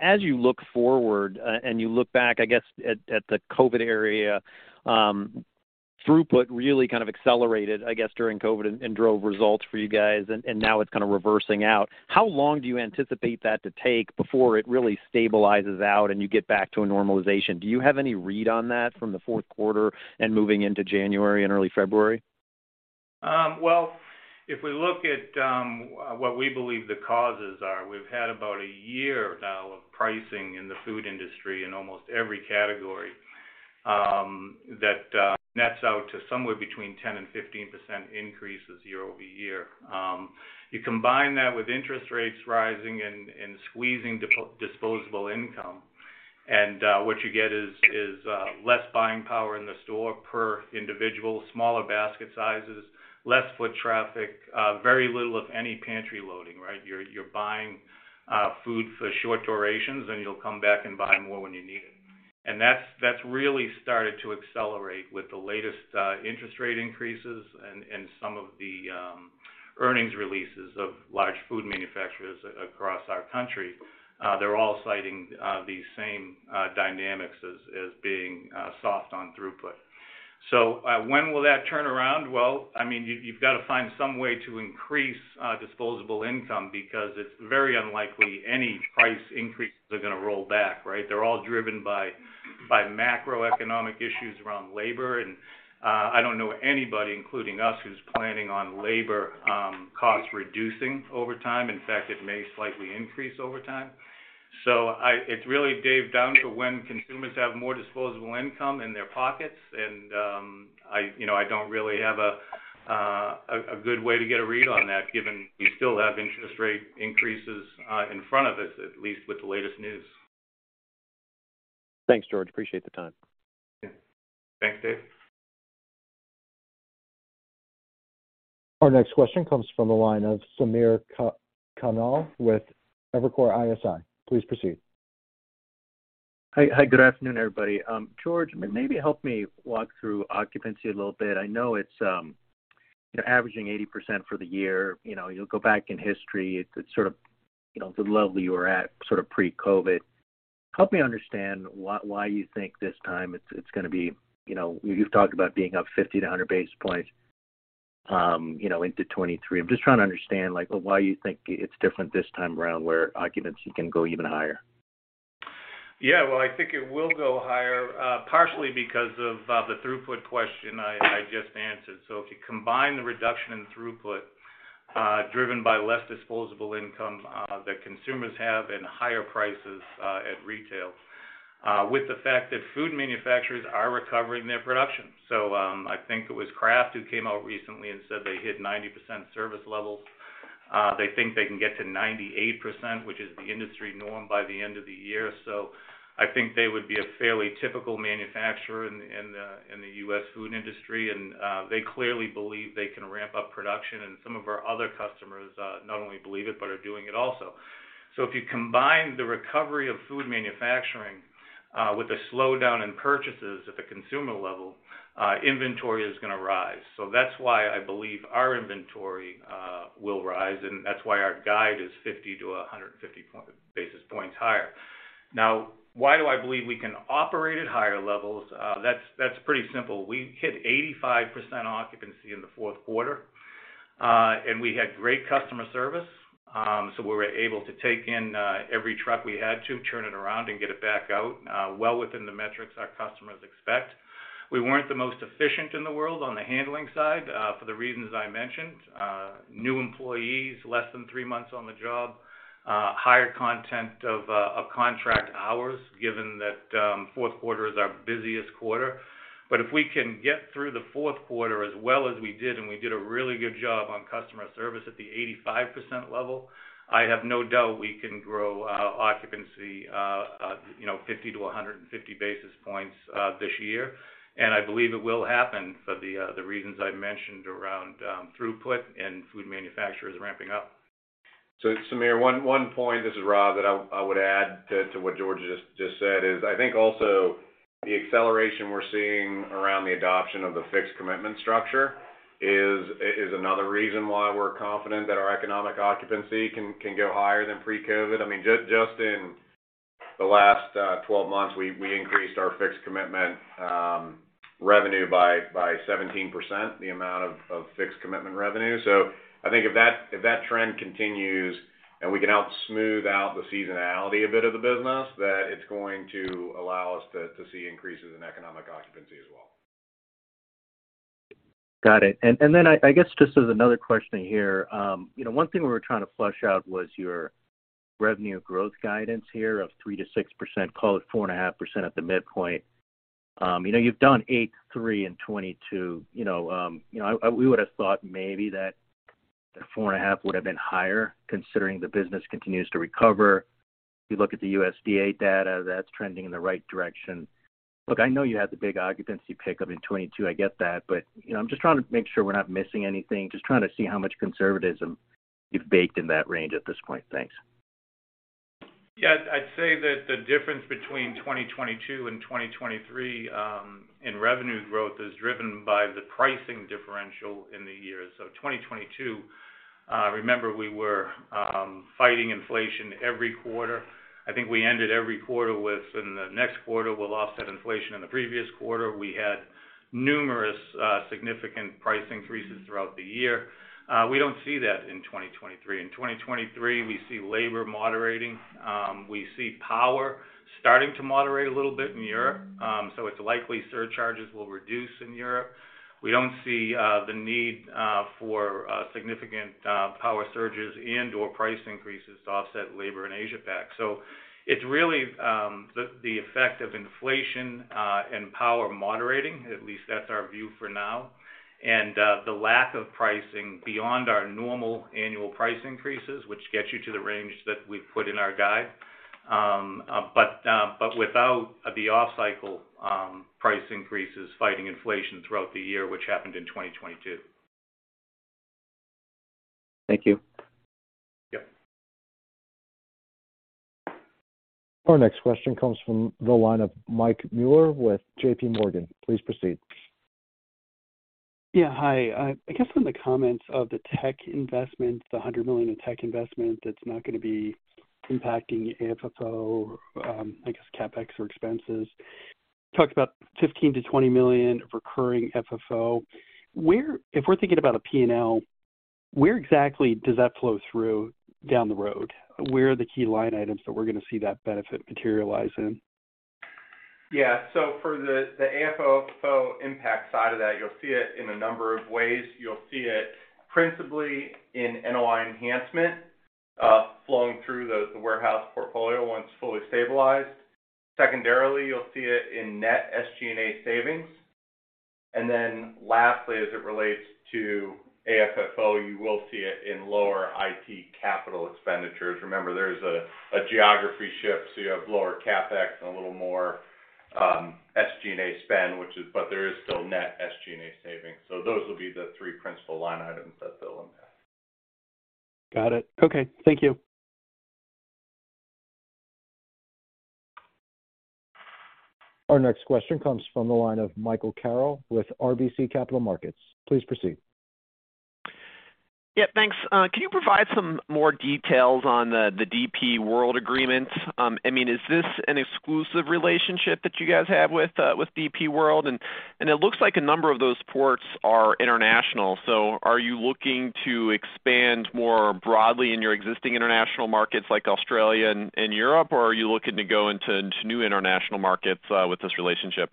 As you look forward, and you look back, I guess at the COVID area, throughput really kind of accelerated, I guess, during COVID and drove results for you guys, and now it's kind of reversing out. How long do you anticipate that to take before it really stabilizes out and you get back to a normalization? Do you have any read on that from the fourth quarter and moving into January and early February? Well, if we look at what we believe the causes are, we've had about a year now of pricing in the food industry in almost every category that nets out to somewhere between 10% and 15% increases year-over-year. You combine that with interest rates rising and squeezing disposable income, and what you get is less buying power in the store per individual, smaller basket sizes, less foot traffic, very little of any pantry loading, right? You're buying food for short durations, and you'll come back and buy more when you need it. That's really started to accelerate with the latest interest rate increases and some of the earnings releases of large food manufacturers across our country. They're all citing these same dynamics as being soft on throughput. When will that turn around? Well, I mean, you've got to find some way to increase disposable income because it's very unlikely any price increases are gonna roll back, right? They're all driven by macroeconomic issues around labor. I don't know anybody, including us, who's planning on labor costs reducing over time. In fact, it may slightly increase over time. It's really, Dave, down to when consumers have more disposable income in their pockets. I, you know, I don't really have a good way to get a read on that, given we still have interest rate increases in front of us, at least with the latest news. Thanks, George. Appreciate the time. Yeah. Thanks, Dave. Our next question comes from the line of Samir Khanal with Evercore ISI. Please proceed. Hi. Hi, good afternoon, everybody. George, maybe help me walk through occupancy a little bit. I know it's, you're averaging 80% for the year. You know, you'll go back in history, it's sort of, you know, the level you were at sort of pre-COVID. Help me understand why you think this time it's gonna be. You know, you've talked about being up 50 to 100 basis points, you know, into 2023. I'm just trying to understand, like, why you think it's different this time around where occupancy can go even higher? Yeah. Well, I think it will go higher, partially because of the throughput question I just answered. If you combine the reduction in throughput, driven by less disposable income, that consumers have and higher prices, at retail, with the fact that food manufacturers are recovering their production. I think it was Kraft who came out recently and said they hit 90% service levels. They think they can get to 98%, which is the industry norm, by the end of the year. I think they would be a fairly typical manufacturer in the, in the U.S. food industry, and they clearly believe they can ramp up production. Some of our other customers, not only believe it, but are doing it also. If you combine the recovery of food manufacturing, with the slowdown in purchases at the consumer level, inventory is gonna rise. That's why I believe our inventory will rise, and that's why our guide is 50 to 150 basis points higher. Why do I believe we can operate at higher levels? That's pretty simple. We hit 85% occupancy in the fourth quarter, and we had great customer service, so we were able to take in every truck we had to, turn it around and get it back out, well within the metrics our customers expect. We weren't the most efficient in the world on the handling side, for the reasons I mentioned. New employees less than three months on the job. Higher content of contract hours, given that fourth quarter is our busiest quarter. If we can get through the fourth quarter as well as we did, and we did a really good job on customer service at the 85% level, I have no doubt we can grow occupancy, you know, 50 to 150 basis points this year. I believe it will happen for the reasons I mentioned around throughput and food manufacturers ramping up. Samir, one point, this is Rob, that I would add to what George just said is I think also. The acceleration we're seeing around the adoption of the fixed commitment structure is another reason why we're confident that our economic occupancy can go higher than pre-COVID. I mean, just in the last 12 months, we increased our fixed commitment revenue by 17%, the amount of fixed commitment revenue. I think if that, if that trend continues and we can help smooth out the seasonality a bit of the business, that it's going to allow us to see increases in economic occupancy as well. Got it. I guess just as another question here, you know, one thing we were trying to flush out was your revenue growth guidance here of 3%-6%, call it 4.5% at the midpoint. You know, you've done 8.3% in 2022. You know, you know, we would have thought maybe that the 4.5% would have been higher considering the business continues to recover. If you look at the USDA data, that's trending in the right direction. Look, I know you had the big occupancy pickup in 2022, I get that. You know, I'm just trying to make sure we're not missing anything. Just trying to see how much conservatism you've baked in that range at this point. Thanks. Yeah. I'd say that the difference between 2022 and 2023, in revenue growth is driven by the pricing differential in the years. 2022, remember we were, fighting inflation every quarter. I think we ended every quarter with, "In the next quarter, we'll offset inflation in the previous quarter." We had numerous, significant price increases throughout the year. We don't see that in 2023. In 2023, we see labor moderating. We see power starting to moderate a little bit in Europe, so it's likely surcharges will reduce in Europe. We don't see, the need, for, significant, power surges and/or price increases to offset labor in Asia-Pac. It's really, the effect of inflation, and power moderating, at least that's our view for now, and, the lack of pricing beyond our normal annual price increases, which gets you to the range that we've put in our guide. Without the off-cycle, price increases fighting inflation throughout the year, which happened in 2022. Thank you. Yep. Our next question comes from the line of Michael Mueller with JPMorgan. Please proceed. Yeah. Hi. I guess from the comments of the tech investment, the $100 million in tech investment, that's not gonna be impacting AFFO, I guess CapEx or expenses. Talked about $15 million-$20 million of recurring FFO. If we're thinking about a P&L, where exactly does that flow through down the road? Where are the key line items that we're gonna see that benefit materialize in? For the AFFO impact side of that, you'll see it in a number of ways. You'll see it principally in NOI enhancement, flowing through the warehouse portfolio once fully stabilized. Secondarily, you'll see it in net SG&A savings. Lastly, as it relates to AFFO, you will see it in lower IT capital expenditures. Remember, there's a geography shift, so you have lower CapEx and a little more SG&A spend. There is still net SG&A savings. Those will be the three principal line items that they'll impact. Got it. Okay. Thank you. Our next question comes from the line of Michael Carroll with RBC Capital Markets. Please proceed. Yeah. Thanks. Can you provide some more details on the DP World agreement? I mean, is this an exclusive relationship that you guys have with DP World? It looks like a number of those ports are international, so are you looking to expand more broadly in your existing international markets like Australia and Europe, or are you looking to go into new international markets with this relationship?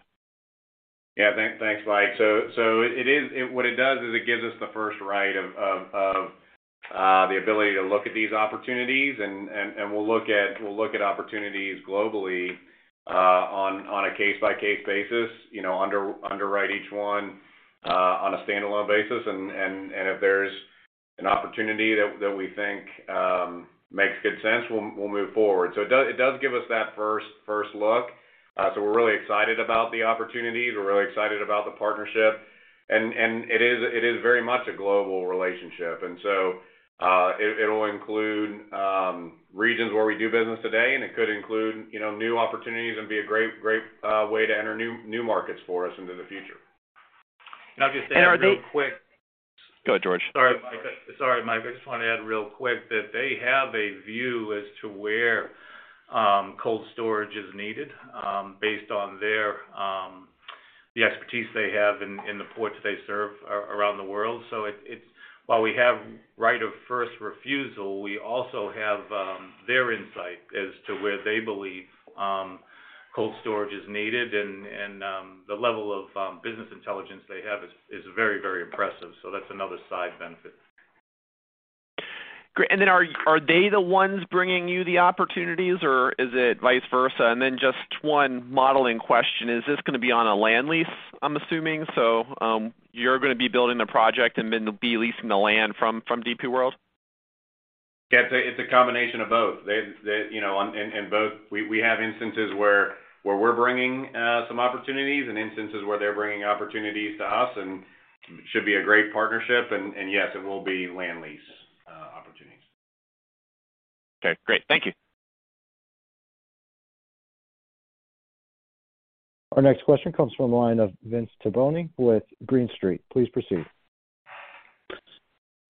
Yeah. Thanks, Mike. What it does is it gives us the first right of the ability to look at these opportunities. We'll look at opportunities globally on a case-by-case basis. You know, underwrite each one on a standalone basis. If there's an opportunity that we think makes good sense, we'll move forward. It does give us that first look. We're really excited about the opportunities. We're really excited about the partnership. It is very much a global relationship. It'll include regions where we do business today, and it could include, you know, new opportunities and be a great way to enter new markets for us into the future. Can I just add real quick? Go ahead, George. Sorry, Mike. Sorry, Mike. I just wanna add real quick that they have a view as to where cold storage is needed, based on their the expertise they have in the ports they serve around the world. It's While we have right of first refusal, we also have their insight as to where they believe cold storage is needed. The level of business intelligence they have is very, very impressive. That's another side benefit. Great. Are they the ones bringing you the opportunities, or is it vice versa? Just one modeling question. Is this gonna be on a land lease, I'm assuming? You're gonna be building the project and then be leasing the land from DP World? Yeah. It's a combination of both. You know. In both, we have instances where we're bringing some opportunities and instances where they're bringing opportunities to us. Should be a great partnership. Yes, it will be land lease. Okay, great. Thank you. Our next question comes from the line of Vince Tibone with Green Street. Please proceed.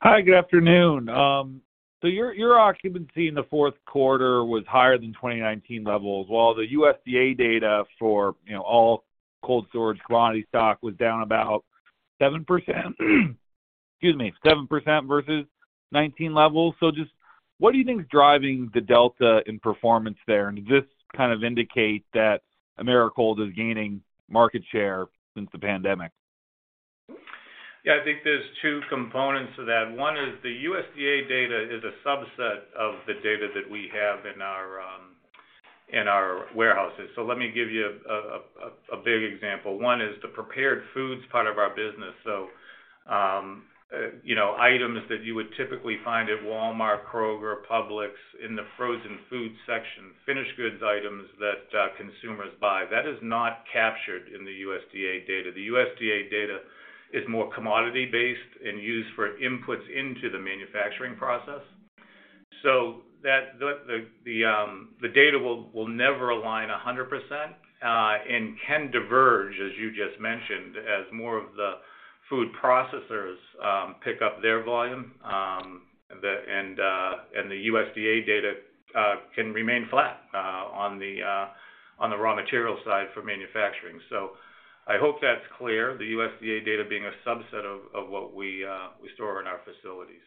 Hi, good afternoon. Your occupancy in the fourth quarter was higher than 2019 levels, while the USDA data for, you know, all cold storage quantity stock was down about 7% excuse me, 7% versus 2019 levels. Just what do you think is driving the delta in performance there? Does this kind of indicate that Americold is gaining market share since the pandemic? I think there's two components to that. One is the USDA data is a subset of the data that we have in our warehouses. Let me give you a big example. One is the prepared foods part of our business. You know, items that you would typically find at Walmart, Kroger, Publix in the frozen food section, finished goods items that consumers buy. That is not captured in the USDA data. The USDA data is more commodity-based and used for inputs into the manufacturing process. That the data will never align 100% and can diverge, as you just mentioned, as more of the food processors pick up their volume. The USDA data can remain flat on the raw material side for manufacturing. I hope that's clear, the USDA data being a subset of what we store in our facilities.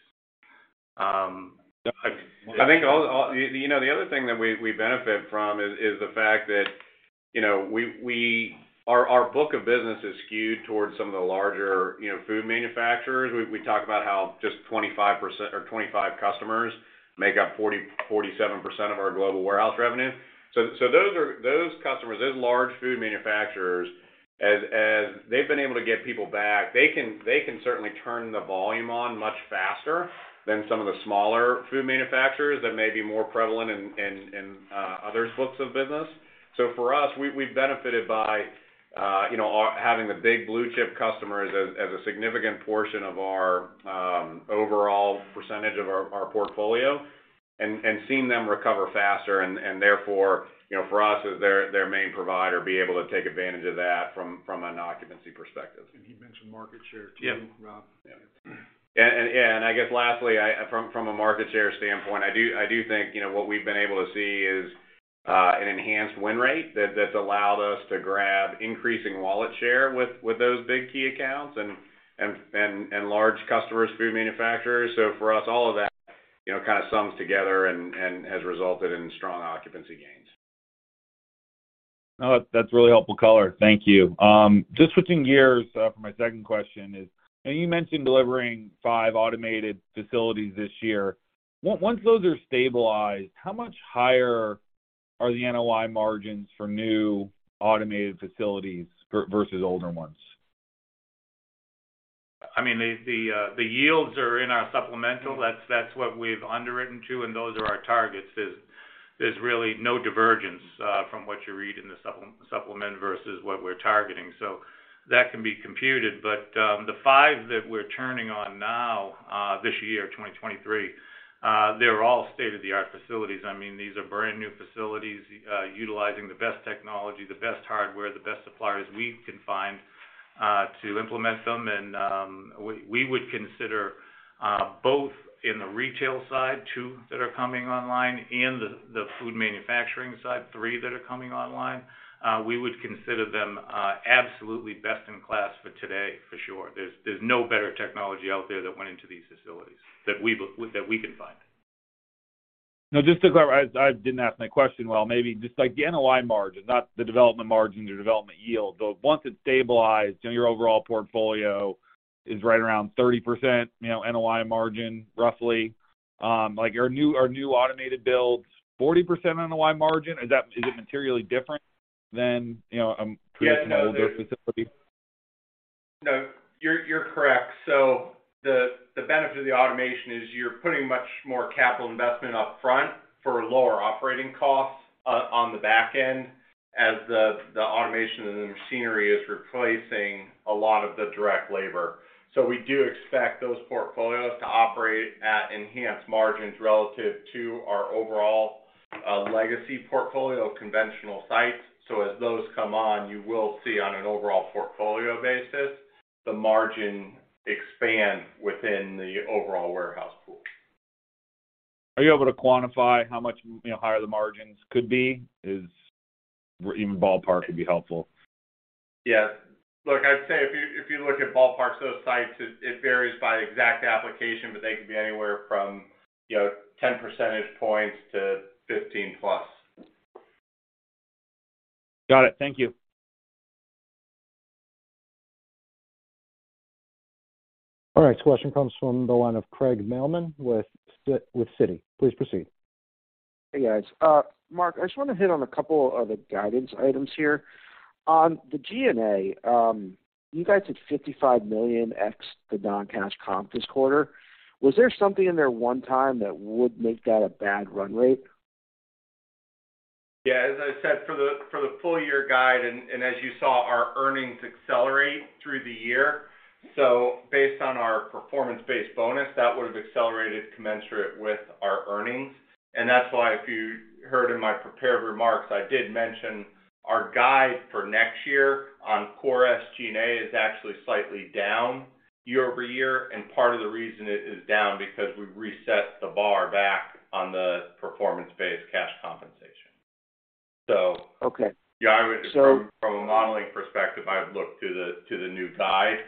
I think, you know, the other thing that we benefit from is the fact that, you know, our book of business is skewed towards some of the larger, you know, food manufacturers. We talk about how just 25% or 25 customers make up 40, 47% of our global warehouse revenue. Those customers, those large food manufacturers, as they've been able to get people back, they can certainly turn the volume on much faster than some of the smaller food manufacturers that may be more prevalent in others' books of business. For us, we benefited by, you know, our having the big blue chip customers as a significant portion of our overall percentage of our portfolio and seeing them recover faster and therefore, you know, for us as their main provider, be able to take advantage of that from an occupancy perspective. He mentioned market share too, Rob. Yeah. I guess lastly, I, from a market share standpoint, I do think, you know, what we've been able to see is an enhanced win rate that's allowed us to grab increasing wallet share with those big key accounts and large customers, food manufacturers. For us, all of that, you know, kind of sums together and has resulted in strong occupancy gains. No, that's really helpful color. Thank you. Just switching gears, for my second question is, you mentioned delivering five automated facilities this year. Once those are stabilized, how much higher are the NOI margins for new automated facilities versus older ones? I mean, the yields are in our supplemental. That's what we've underwritten to, and those are our targets. There's really no divergence from what you read in the supplement versus what we're targeting. That can be computed. The five that we're turning on now this year, 2023, they're all state-of-the-art facilities. I mean, these are brand-new facilities utilizing the best technology, the best hardware, the best suppliers we can find to implement them. We would consider both in the retail side, two that are coming online, and the food manufacturing side, three that are coming online, we would consider them absolutely best in class for today, for sure. There's no better technology out there that went into these facilities that we can find. Just to clarify, I didn't ask my question well maybe. Just like the NOI margin, not the development margin, the development yield. Once it's stabilized and your overall portfolio is right around 30%, you know, NOI margin, roughly. Like your new automated builds, 40% NOI margin, is it materially different than, you know, creating an older facility? No, you're correct. The benefit of the automation is you're putting much more capital investment up front for lower operating costs on the back end, as the automation and the machinery is replacing a lot of the direct labor. We do expect those portfolios to operate at enhanced margins relative to our overall legacy portfolio conventional sites. As those come on, you will see on an overall portfolio basis, the margin expand within the overall warehouse pool. Are you able to quantify how much, you know, higher the margins could be? Even ballpark would be helpful. Yes. Look, I'd say if you look at ballpark, those sites, it varies by exact application, but they could be anywhere from, you know, 10 percentage points to 15+. Got it. Thank you. All right. This question comes from the line of Craig Mailman with Citi. Please proceed. Hey, guys. Marc, I just wanna hit on a couple of the guidance items here. On the G&A, you guys had $55 million ex the non-cash comp this quarter. Was there something in there one-time that would make that a bad run rate? Yeah, as I said, for the full year guide as you saw our earnings accelerate through the year. Based on our performance-based bonus, that would have accelerated commensurate with our earnings. That's why if you heard in my prepared remarks, I did mention our guide for next year on Core SG&A is actually slightly down year-over-year, and part of the reason it is down because we've reset the bar back on the performance-based cash compensation. Okay. Yeah, from a modeling perspective, I would look to the new guide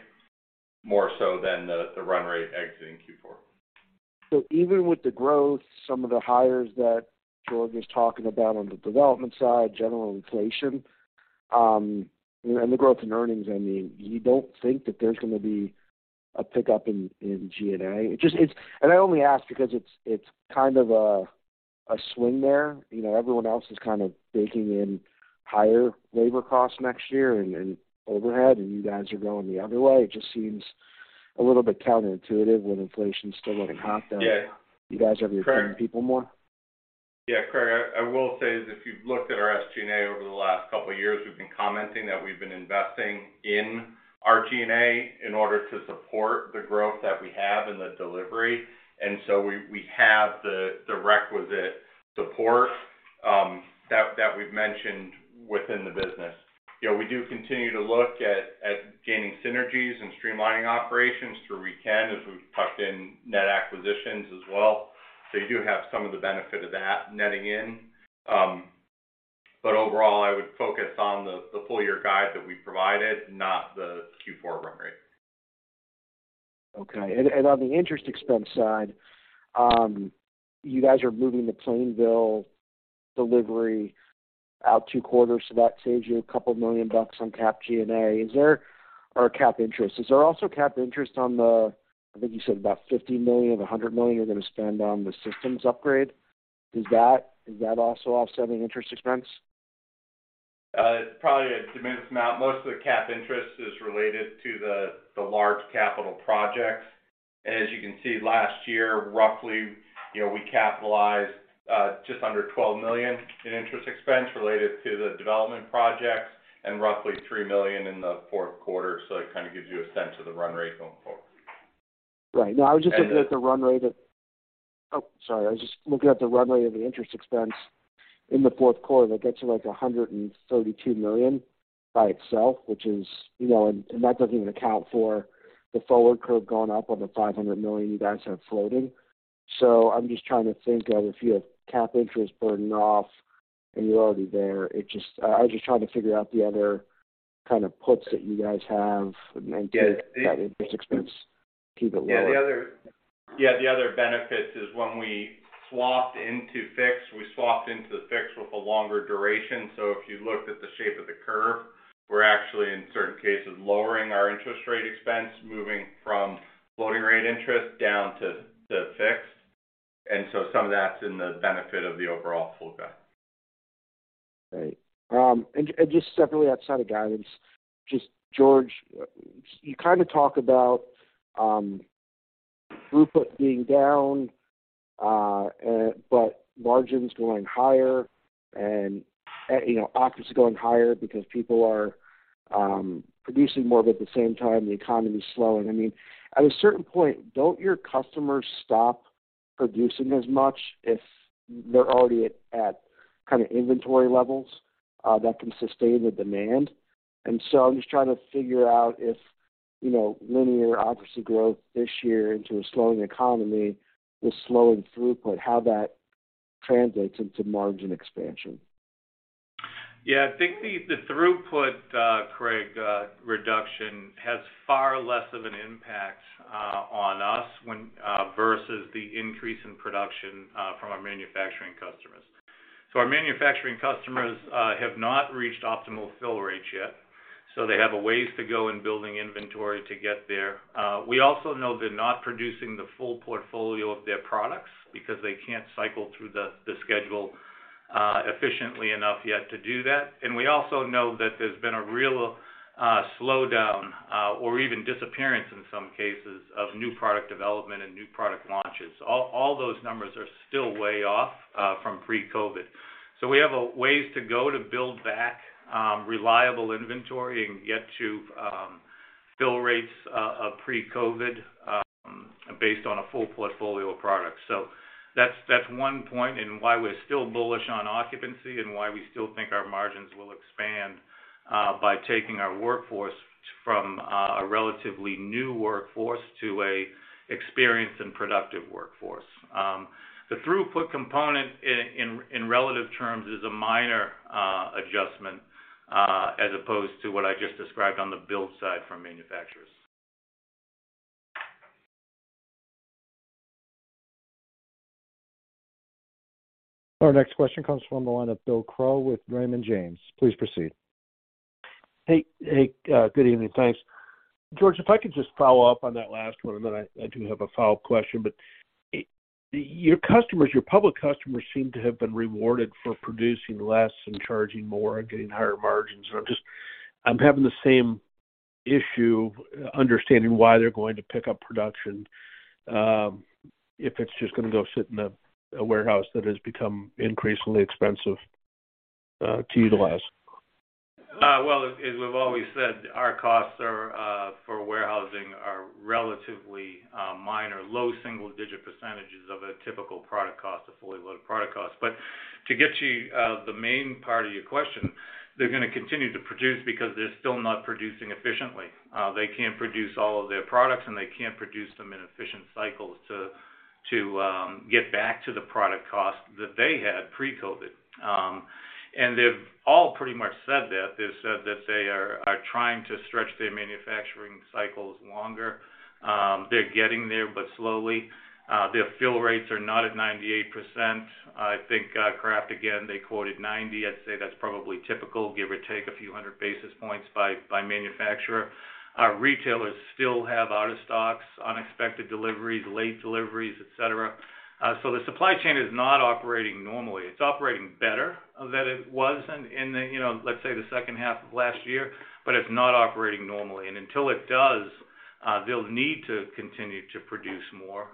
more so than the run rate exiting Q4. Even with the growth, some of the hires that George was talking about on the development side, general inflation, and the growth in earnings, I mean, you don't think that there's gonna be a pickup in G&A? I only ask because it's kind of a swing there. You know, everyone else is kind of baking in higher labor costs next year and overhead, and you guys are going the other way. It just seems a little bit counterintuitive when inflation is still running hot that. Yeah. You guys are paying people more. Yeah, Craig, I will say is if you've looked at our SG&A over the last couple of years, we've been commenting that we've been investing in our G&A in order to support the growth that we have and the delivery. We have the requisite support that we've mentioned within the business. You know, we do continue to look at gaining synergies and streamlining operations through where we can as we've tucked in net acquisitions as well. You do have some of the benefit of that netting in. Overall, I would focus on the full year guide that we provided, not the Q4 run rate. Okay. On the interest expense side, you guys are moving the Plainville delivery out two quarters, that saves you a couple million dollars on cap G&A. Is there also cap interest on the, I think you said about $50 million of the $100 million you're going to spend on the systems upgrade? Is that also offsetting interest expense? Probably a diminished amount. Most of the cap interest is related to the large capital projects. As you can see, last year, roughly, you know, we capitalized just under $12 million in interest expense related to the development projects and roughly $3 million in the fourth quarter. It kind of gives you a sense of the run rate going forward. I was just looking at the run rate of the interest expense in the fourth quarter. That gets you to, like, $132 million by itself, which is, you know, that doesn't even account for the forward curve going up on the $500 million you guys have floating. I'm just trying to think of if you have cap interest burning off and you're already there. I was just trying to figure out the other kind of puts that you guys have. Yeah. to make that interest expense, keep it lower. Yeah, the other benefits is when we swapped into fixed, we swapped into the fixed with a longer duration. If you looked at the shape of the curve, we're actually in certain cases, lowering our interest rate expense, moving from floating rate interest down to fixed. Some of that's in the benefit of the overall full guide. Right. just separately outside of guidance, just George, you kinda talk about, throughput being down, but margins going higher and, you know, occupancy going higher because people are producing more, but at the same time, the economy is slowing. I mean, at a certain point, don't your customers stop producing as much if they're already at kind of inventory levels that can sustain the demand? I'm just trying to figure out if, you know, linear occupancy growth this year into a slowing economy with slowing throughput, how that translates into margin expansion? Yeah. I think the throughput, Craig, reduction has far less of an impact on us when versus the increase in production from our manufacturing customers. Our manufacturing customers have not reached optimal fill rates yet, so they have a ways to go in building inventory to get there. We also know they're not producing the full portfolio of their products because they can't cycle through the schedule efficiently enough yet to do that. We also know that there's been a real slowdown or even disappearance in some cases of new product development and new product launches. All those numbers are still way off from pre-COVID. We have a ways to go to build back reliable inventory and get to fill rates of pre-COVID based on a full portfolio of products. That's one point in why we're still bullish on occupancy and why we still think our margins will expand by taking our workforce from a relatively new workforce to a experienced and productive workforce. The throughput component in relative terms is a minor adjustment as opposed to what I just described on the build side for manufacturers. Our next question comes from the line of Bill Crow with Raymond James. Please proceed. Hey, hey. good evening. Thanks. George, if I could just follow up on that last one, and then I do have a follow-up question. Your customers, your public customers seem to have been rewarded for producing less and charging more and getting higher margins. I'm having the same issue understanding why they're going to pick up production, if it's just gonna go sit in a warehouse that has become increasingly expensive, to utilize. Well, as we've always said, our costs are for warehousing are relatively minor, low single-digit percentages of a typical product cost, a fully loaded product cost. To get to the main part of your question, they're gonna continue to produce because they're still not producing efficiently. They can't produce all of their products, and they can't produce them in efficient cycles to get back to the product cost that they had pre-COVID. They've all pretty much said that. They've said that they are trying to stretch their manufacturing cycles longer. They're getting there, but slowly. Their fill rates are not at 98%. I think Kraft again, they quoted 90. I'd say that's probably typical, give or take a few hundred basis points by manufacturer. Our retailers still have out-of-stocks, unexpected deliveries, late deliveries, et cetera. The supply chain is not operating normally. It's operating better than it was in the, you know, let's say, the second half of last year, but it's not operating normally. Until it does, they'll need to continue to produce more.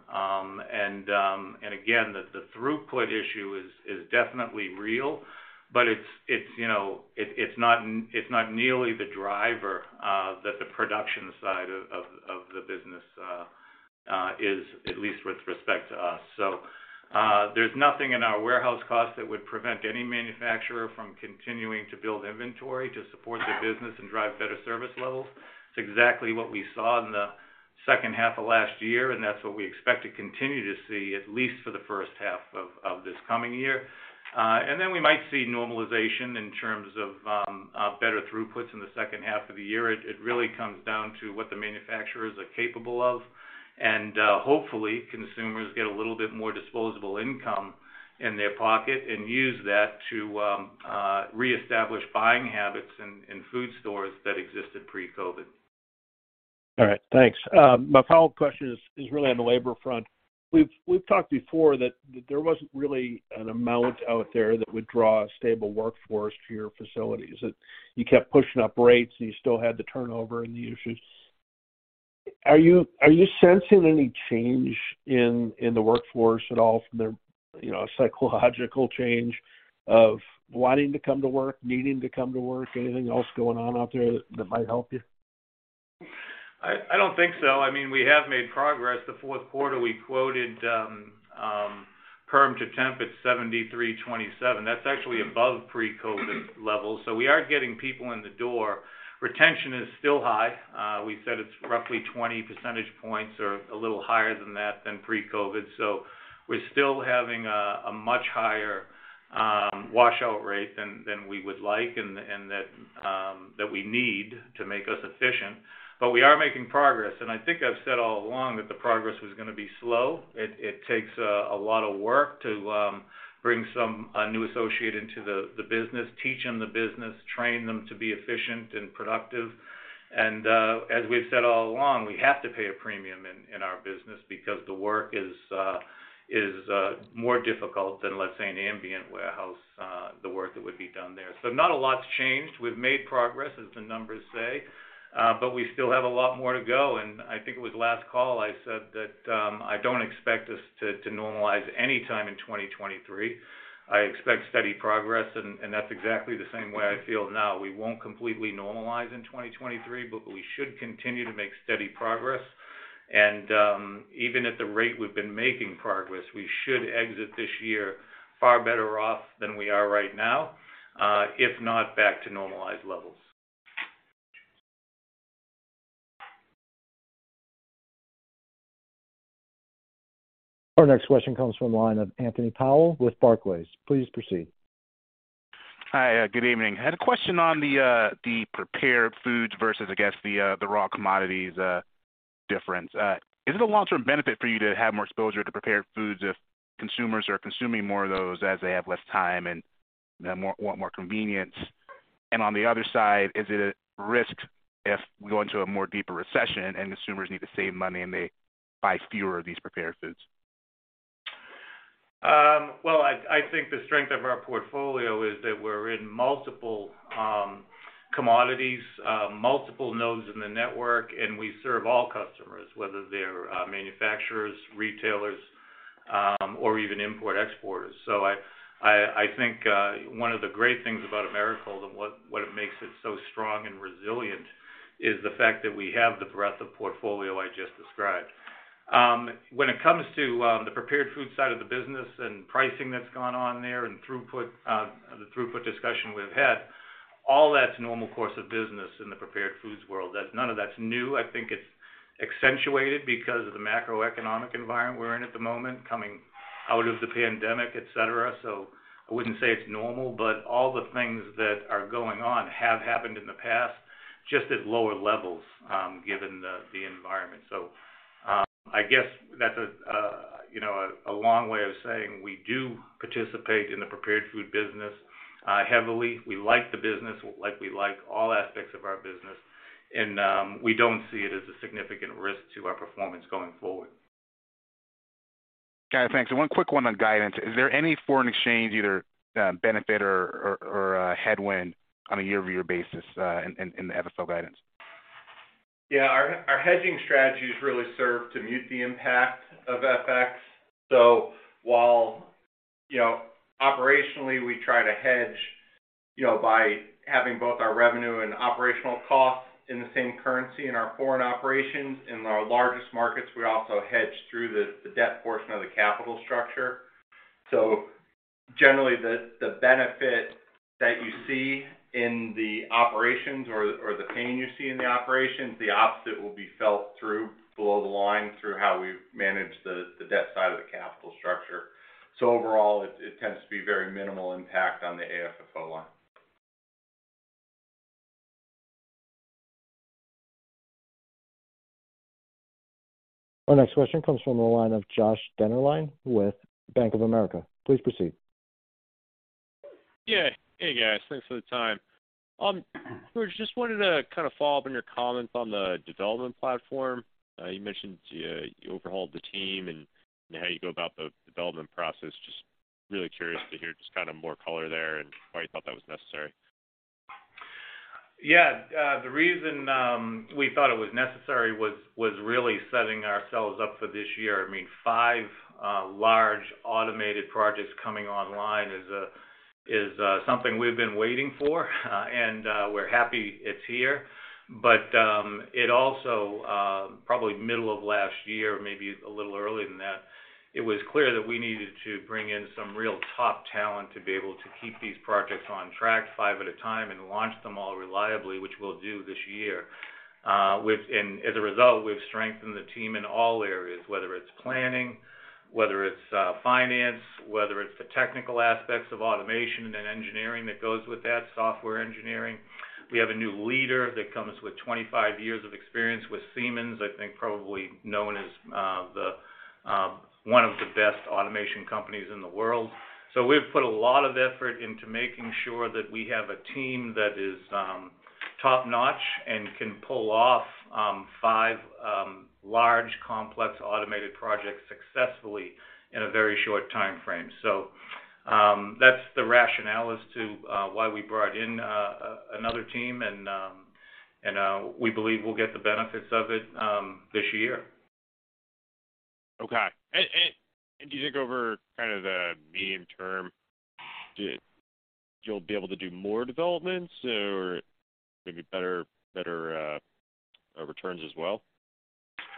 Again, the throughput issue is definitely real. It's, you know... it's not nearly the driver that the production side of the business is at least with respect to us. There's nothing in our warehouse cost that would prevent any manufacturer from continuing to build inventory to support their business and drive better service levels. It's exactly what we saw in the second half of last year, and that's what we expect to continue to see, at least for the first half of this coming year. Then we might see normalization in terms of better throughputs in the second half of the year. It really comes down to what the manufacturers are capable of. Hopefully, consumers get a little bit more disposable income in their pocket and use that to reestablish buying habits in food stores that existed pre-COVID. All right. Thanks. My follow-up question is really on the labor front. We've talked before that there wasn't really an amount out there that would draw a stable workforce to your facilities. That you kept pushing up rates, and you still had the turnover and the issues. Are you sensing any change in the workforce at all from their, you know, psychological change of wanting to come to work, needing to come to work? Anything else going on out there that might help you? I don't think so. I mean, we have made progress. The fourth quarter, we quoted perm to temp at 73/27. That's actually above pre-COVID levels. We are getting people in the door. Retention is still high. We said it's roughly 20 percentage points or a little higher than that than pre-COVID. We're still having a much higher washout rate than we would like and that we need to make us efficient. We are making progress, and I think I've said all along that the progress was gonna be slow. It takes a lot of work to bring a new associate into the business, teach them the business, train them to be efficient and productive. As we've said all along, we have to pay a premium in our business because the work is more difficult than, let's say, an ambient warehouse, the work that would be done there. Not a lot's changed. We've made progress, as the numbers say, but we still have a lot more to go. I think it was last call I said that I don't expect this to normalize anytime in 2023. I expect steady progress, and that's exactly the same way I feel now. We won't completely normalize in 2023, but we should continue to make steady progress. Even at the rate we've been making progress, we should exit this year far better off than we are right now, if not back to normalized levels. Our next question comes from the line of Anthony Powell with Barclays. Please proceed. Hi. good evening. I had a question on the prepared foods versus, I guess, the raw commodities, difference. Is it a long-term benefit for you to have more exposure to prepared foods if consumers are consuming more of those as they have less time and they want more convenience? On the other side, is it a risk if we go into a more deeper recession and consumers need to save money, and they buy fewer of these prepared foods? Well, I think the strength of our portfolio is that we're in multiple commodities, multiple nodes in the network, and we serve all customers, whether they're manufacturers, retailers, or even import-exporters. I think one of the great things about Americold and what it makes it so strong and resilient is the fact that we have the breadth of portfolio I just described. When it comes to the prepared food side of the business and pricing that's gone on there and throughput, the throughput discussion we've had, all that's normal course of business in the prepared foods world. None of that's new. I think it's accentuated because of the macroeconomic environment we're in at the moment, coming out of the pandemic, et cetera. I wouldn't say it's normal, but all the things that are going on have happened in the past, just at lower levels, given the environment. I guess that's a, you know, a long way of saying we do participate in the prepared food business, heavily. We like the business like we like all aspects of our business, and we don't see it as a significant risk to our performance going forward. Got it. Thanks. One quick one on guidance. Is there any foreign exchange either, benefit or headwind on a year-over-year basis, in the FFO guidance? Our hedging strategies really serve to mute the impact of FX. While, you know, operationally, we try to hedge, you know, by having both our revenue and operational costs in the same currency in our foreign operations. In our largest markets, we also hedge through the debt portion of the capital structure. Generally, the benefit that you see in the operations or the pain you see in the operations, the opposite will be felt through below the line through how we manage the debt side of the capital structure. Overall, it tends to be very minimal impact on the AFFO line. Our next question comes from the line of Joshua Dennerlein with Bank of America. Please proceed. Yeah. Hey, guys. Thanks for the time. George, just wanted to kind of follow up on your comments on the development platform. You mentioned you overhauled the team and how you go about the development process. Just really curious to hear just kind of more color there and why you thought that was necessary? Yeah. The reason we thought it was necessary was really setting ourselves up for this year. I mean, five large automated projects coming online is something we've been waiting for, and we're happy it's here. It also, probably middle of last year, maybe a little earlier than that, it was clear that we needed to bring in some real top talent to be able to keep these projects on track five at a time and launch them all reliably, which we'll do this year. As a result, we've strengthened the team in all areas, whether it's planning, whether it's finance, whether it's the technical aspects of automation and engineering that goes with that, software engineering. We have a new leader that comes with 25 years of experience with Siemens, I think probably known as, the, one of the best automation companies in the world. We've put a lot of effort into making sure that we have a team that is, top-notch and can pull off, five, large, complex automated projects successfully in a very short timeframe. That's the rationale as to, why we brought in, another team and, we believe we'll get the benefits of it, this year. Okay. Do you think over kind of the medium term, you'll be able to do more developments or maybe better returns as well?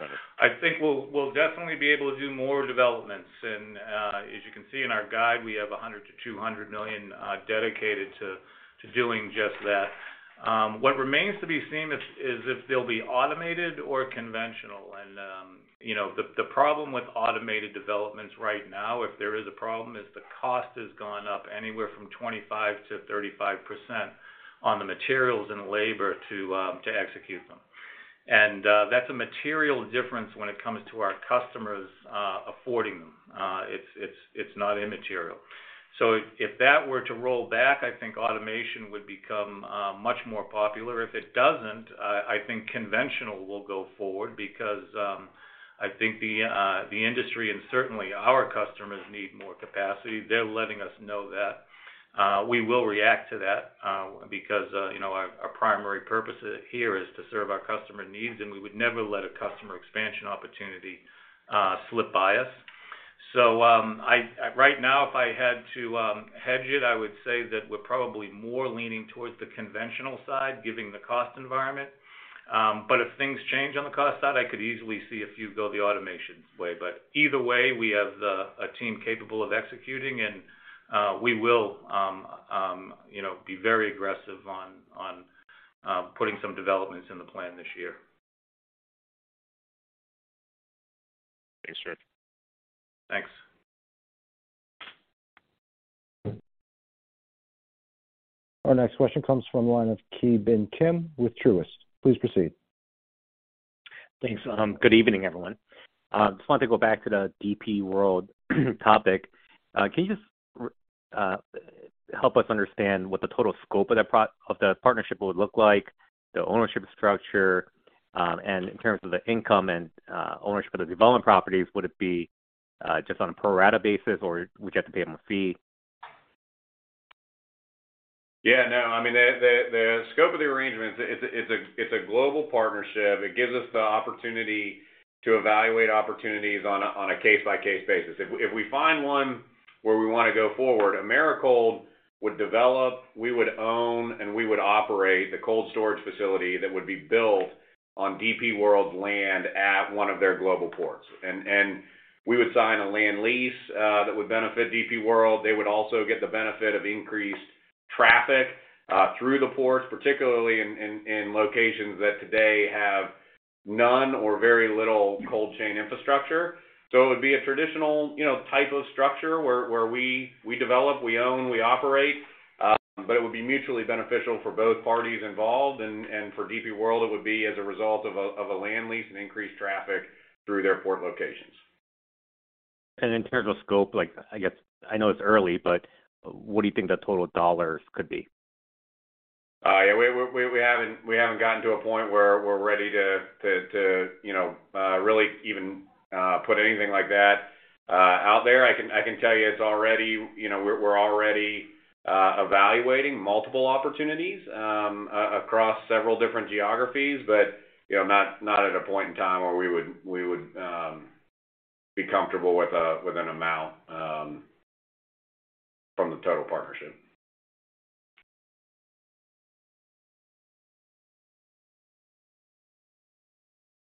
Just trying to. I think we'll definitely be able to do more developments. As you can see in our guide, we have $100 million-$200 million dedicated to doing just that. What remains to be seen is if they'll be automated or conventional. You know, the problem with automated developments right now, if there is a problem, is the cost has gone up anywhere from 25%-35% on the materials and labor to execute them. That's a material difference when it comes to our customers affording them. It's not immaterial. If that were to roll back, I think automation would become much more popular. If it doesn't, I think conventional will go forward because I think the industry and certainly our customers need more capacity. They're letting us know that. We will react to that because, you know, our primary purpose here is to serve our customer needs, and we would never let a customer expansion opportunity slip by us. Right now, if I had to hedge it, I would say that we're probably more leaning towards the conventional side, given the cost environment. If things change on the cost side, I could easily see a few go the automations way. Either way, we have a team capable of executing, and we will, you know, be very aggressive on putting some developments in the plan this year. Thanks, George. Thanks. Our next question comes from the line of Ki Bin Kim with Truist. Please proceed. Thanks. Good evening, everyone. Just wanted to go back to the DP World topic. Can you just help us understand what the total scope of that of the partnership would look like, the ownership structure, and in terms of the income and ownership of the development properties, would it be just on a pro rata basis, or would you have to pay them a fee? Yeah, no. I mean, the scope of the arrangement is a global partnership. It gives us the opportunity to evaluate opportunities on a case-by-case basis. If we find one where we wanna go forward, Americold would develop, we would own, and we would operate the cold storage facility that would be built on DP World land at one of their global ports. We would sign a land lease that would benefit DP World. They would also get the benefit of increased traffic through the ports, particularly in locations that today have none or very little cold chain infrastructure. It would be a traditional, you know, type of structure where we develop, we own, we operate, but it would be mutually beneficial for both parties involved. For DP World, it would be as a result of a land lease and increased traffic through their port locations. In terms of scope, like, I guess I know it's early, but what do you think the total dollars could be? Yeah, we haven't gotten to a point where we're ready to, you know, really even put anything like that out there. I can tell you it's already... You know, we're already evaluating multiple opportunities across several different geographies. You know, not at a point in time where we would be comfortable with an amount from the total partnership.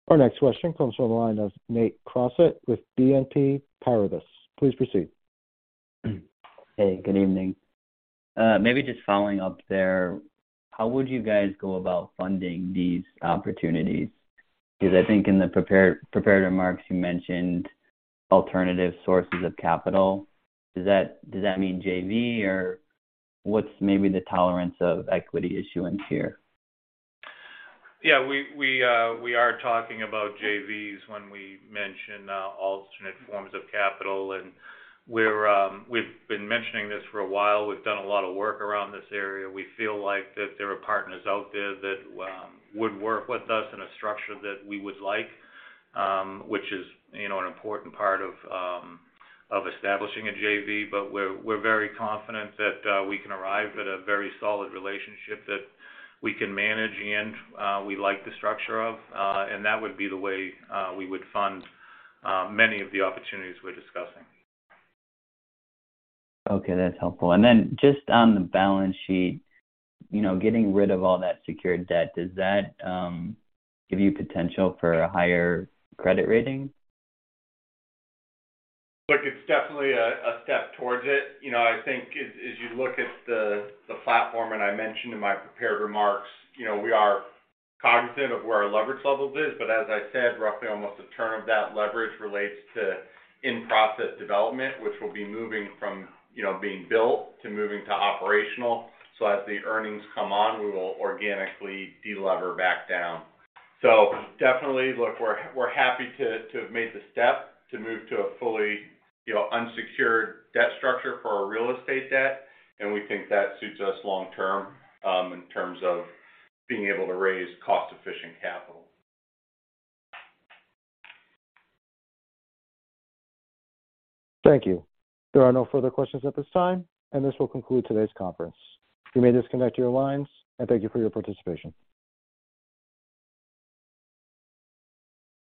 Our next question comes from the line of Nate Crossett with BNP Paribas. Please proceed. Hey, good evening. Maybe just following up there. How would you guys go about funding these opportunities? Because I think in the prepared remarks, you mentioned alternative sources of capital. Does that mean JV or what's maybe the tolerance of equity issuance here? Yeah. We are talking about JVs when we mention alternate forms of capital. We've been mentioning this for a while. We've done a lot of work around this area. We feel like that there are partners out there that would work with us in a structure that we would like, which is, you know, an important part of establishing a JV. We're very confident that we can arrive at a very solid relationship that we can manage and we like the structure of. That would be the way we would fund many of the opportunities we're discussing. Okay, that's helpful. Just on the balance sheet, you know, getting rid of all that secured debt, does that give you potential for a higher credit rating? Look, it's definitely a step towards it. You know, I think as you look at the platform, and I mentioned in my prepared remarks, you know, we are cognizant of where our leverage levels is. As I said, roughly almost a term of that leverage relates to in-process development, which will be moving from, you know, being built to moving to operational. As the earnings come on, we will organically de-lever back down. Definitely look, we're happy to have made the step to move to a fully, you know, unsecured debt structure for our real estate debt, and we think that suits us long term, in terms of being able to raise cost-efficient capital. Thank you. There are no further questions at this time, and this will conclude today's conference. You may disconnect your lines. Thank you for your participation.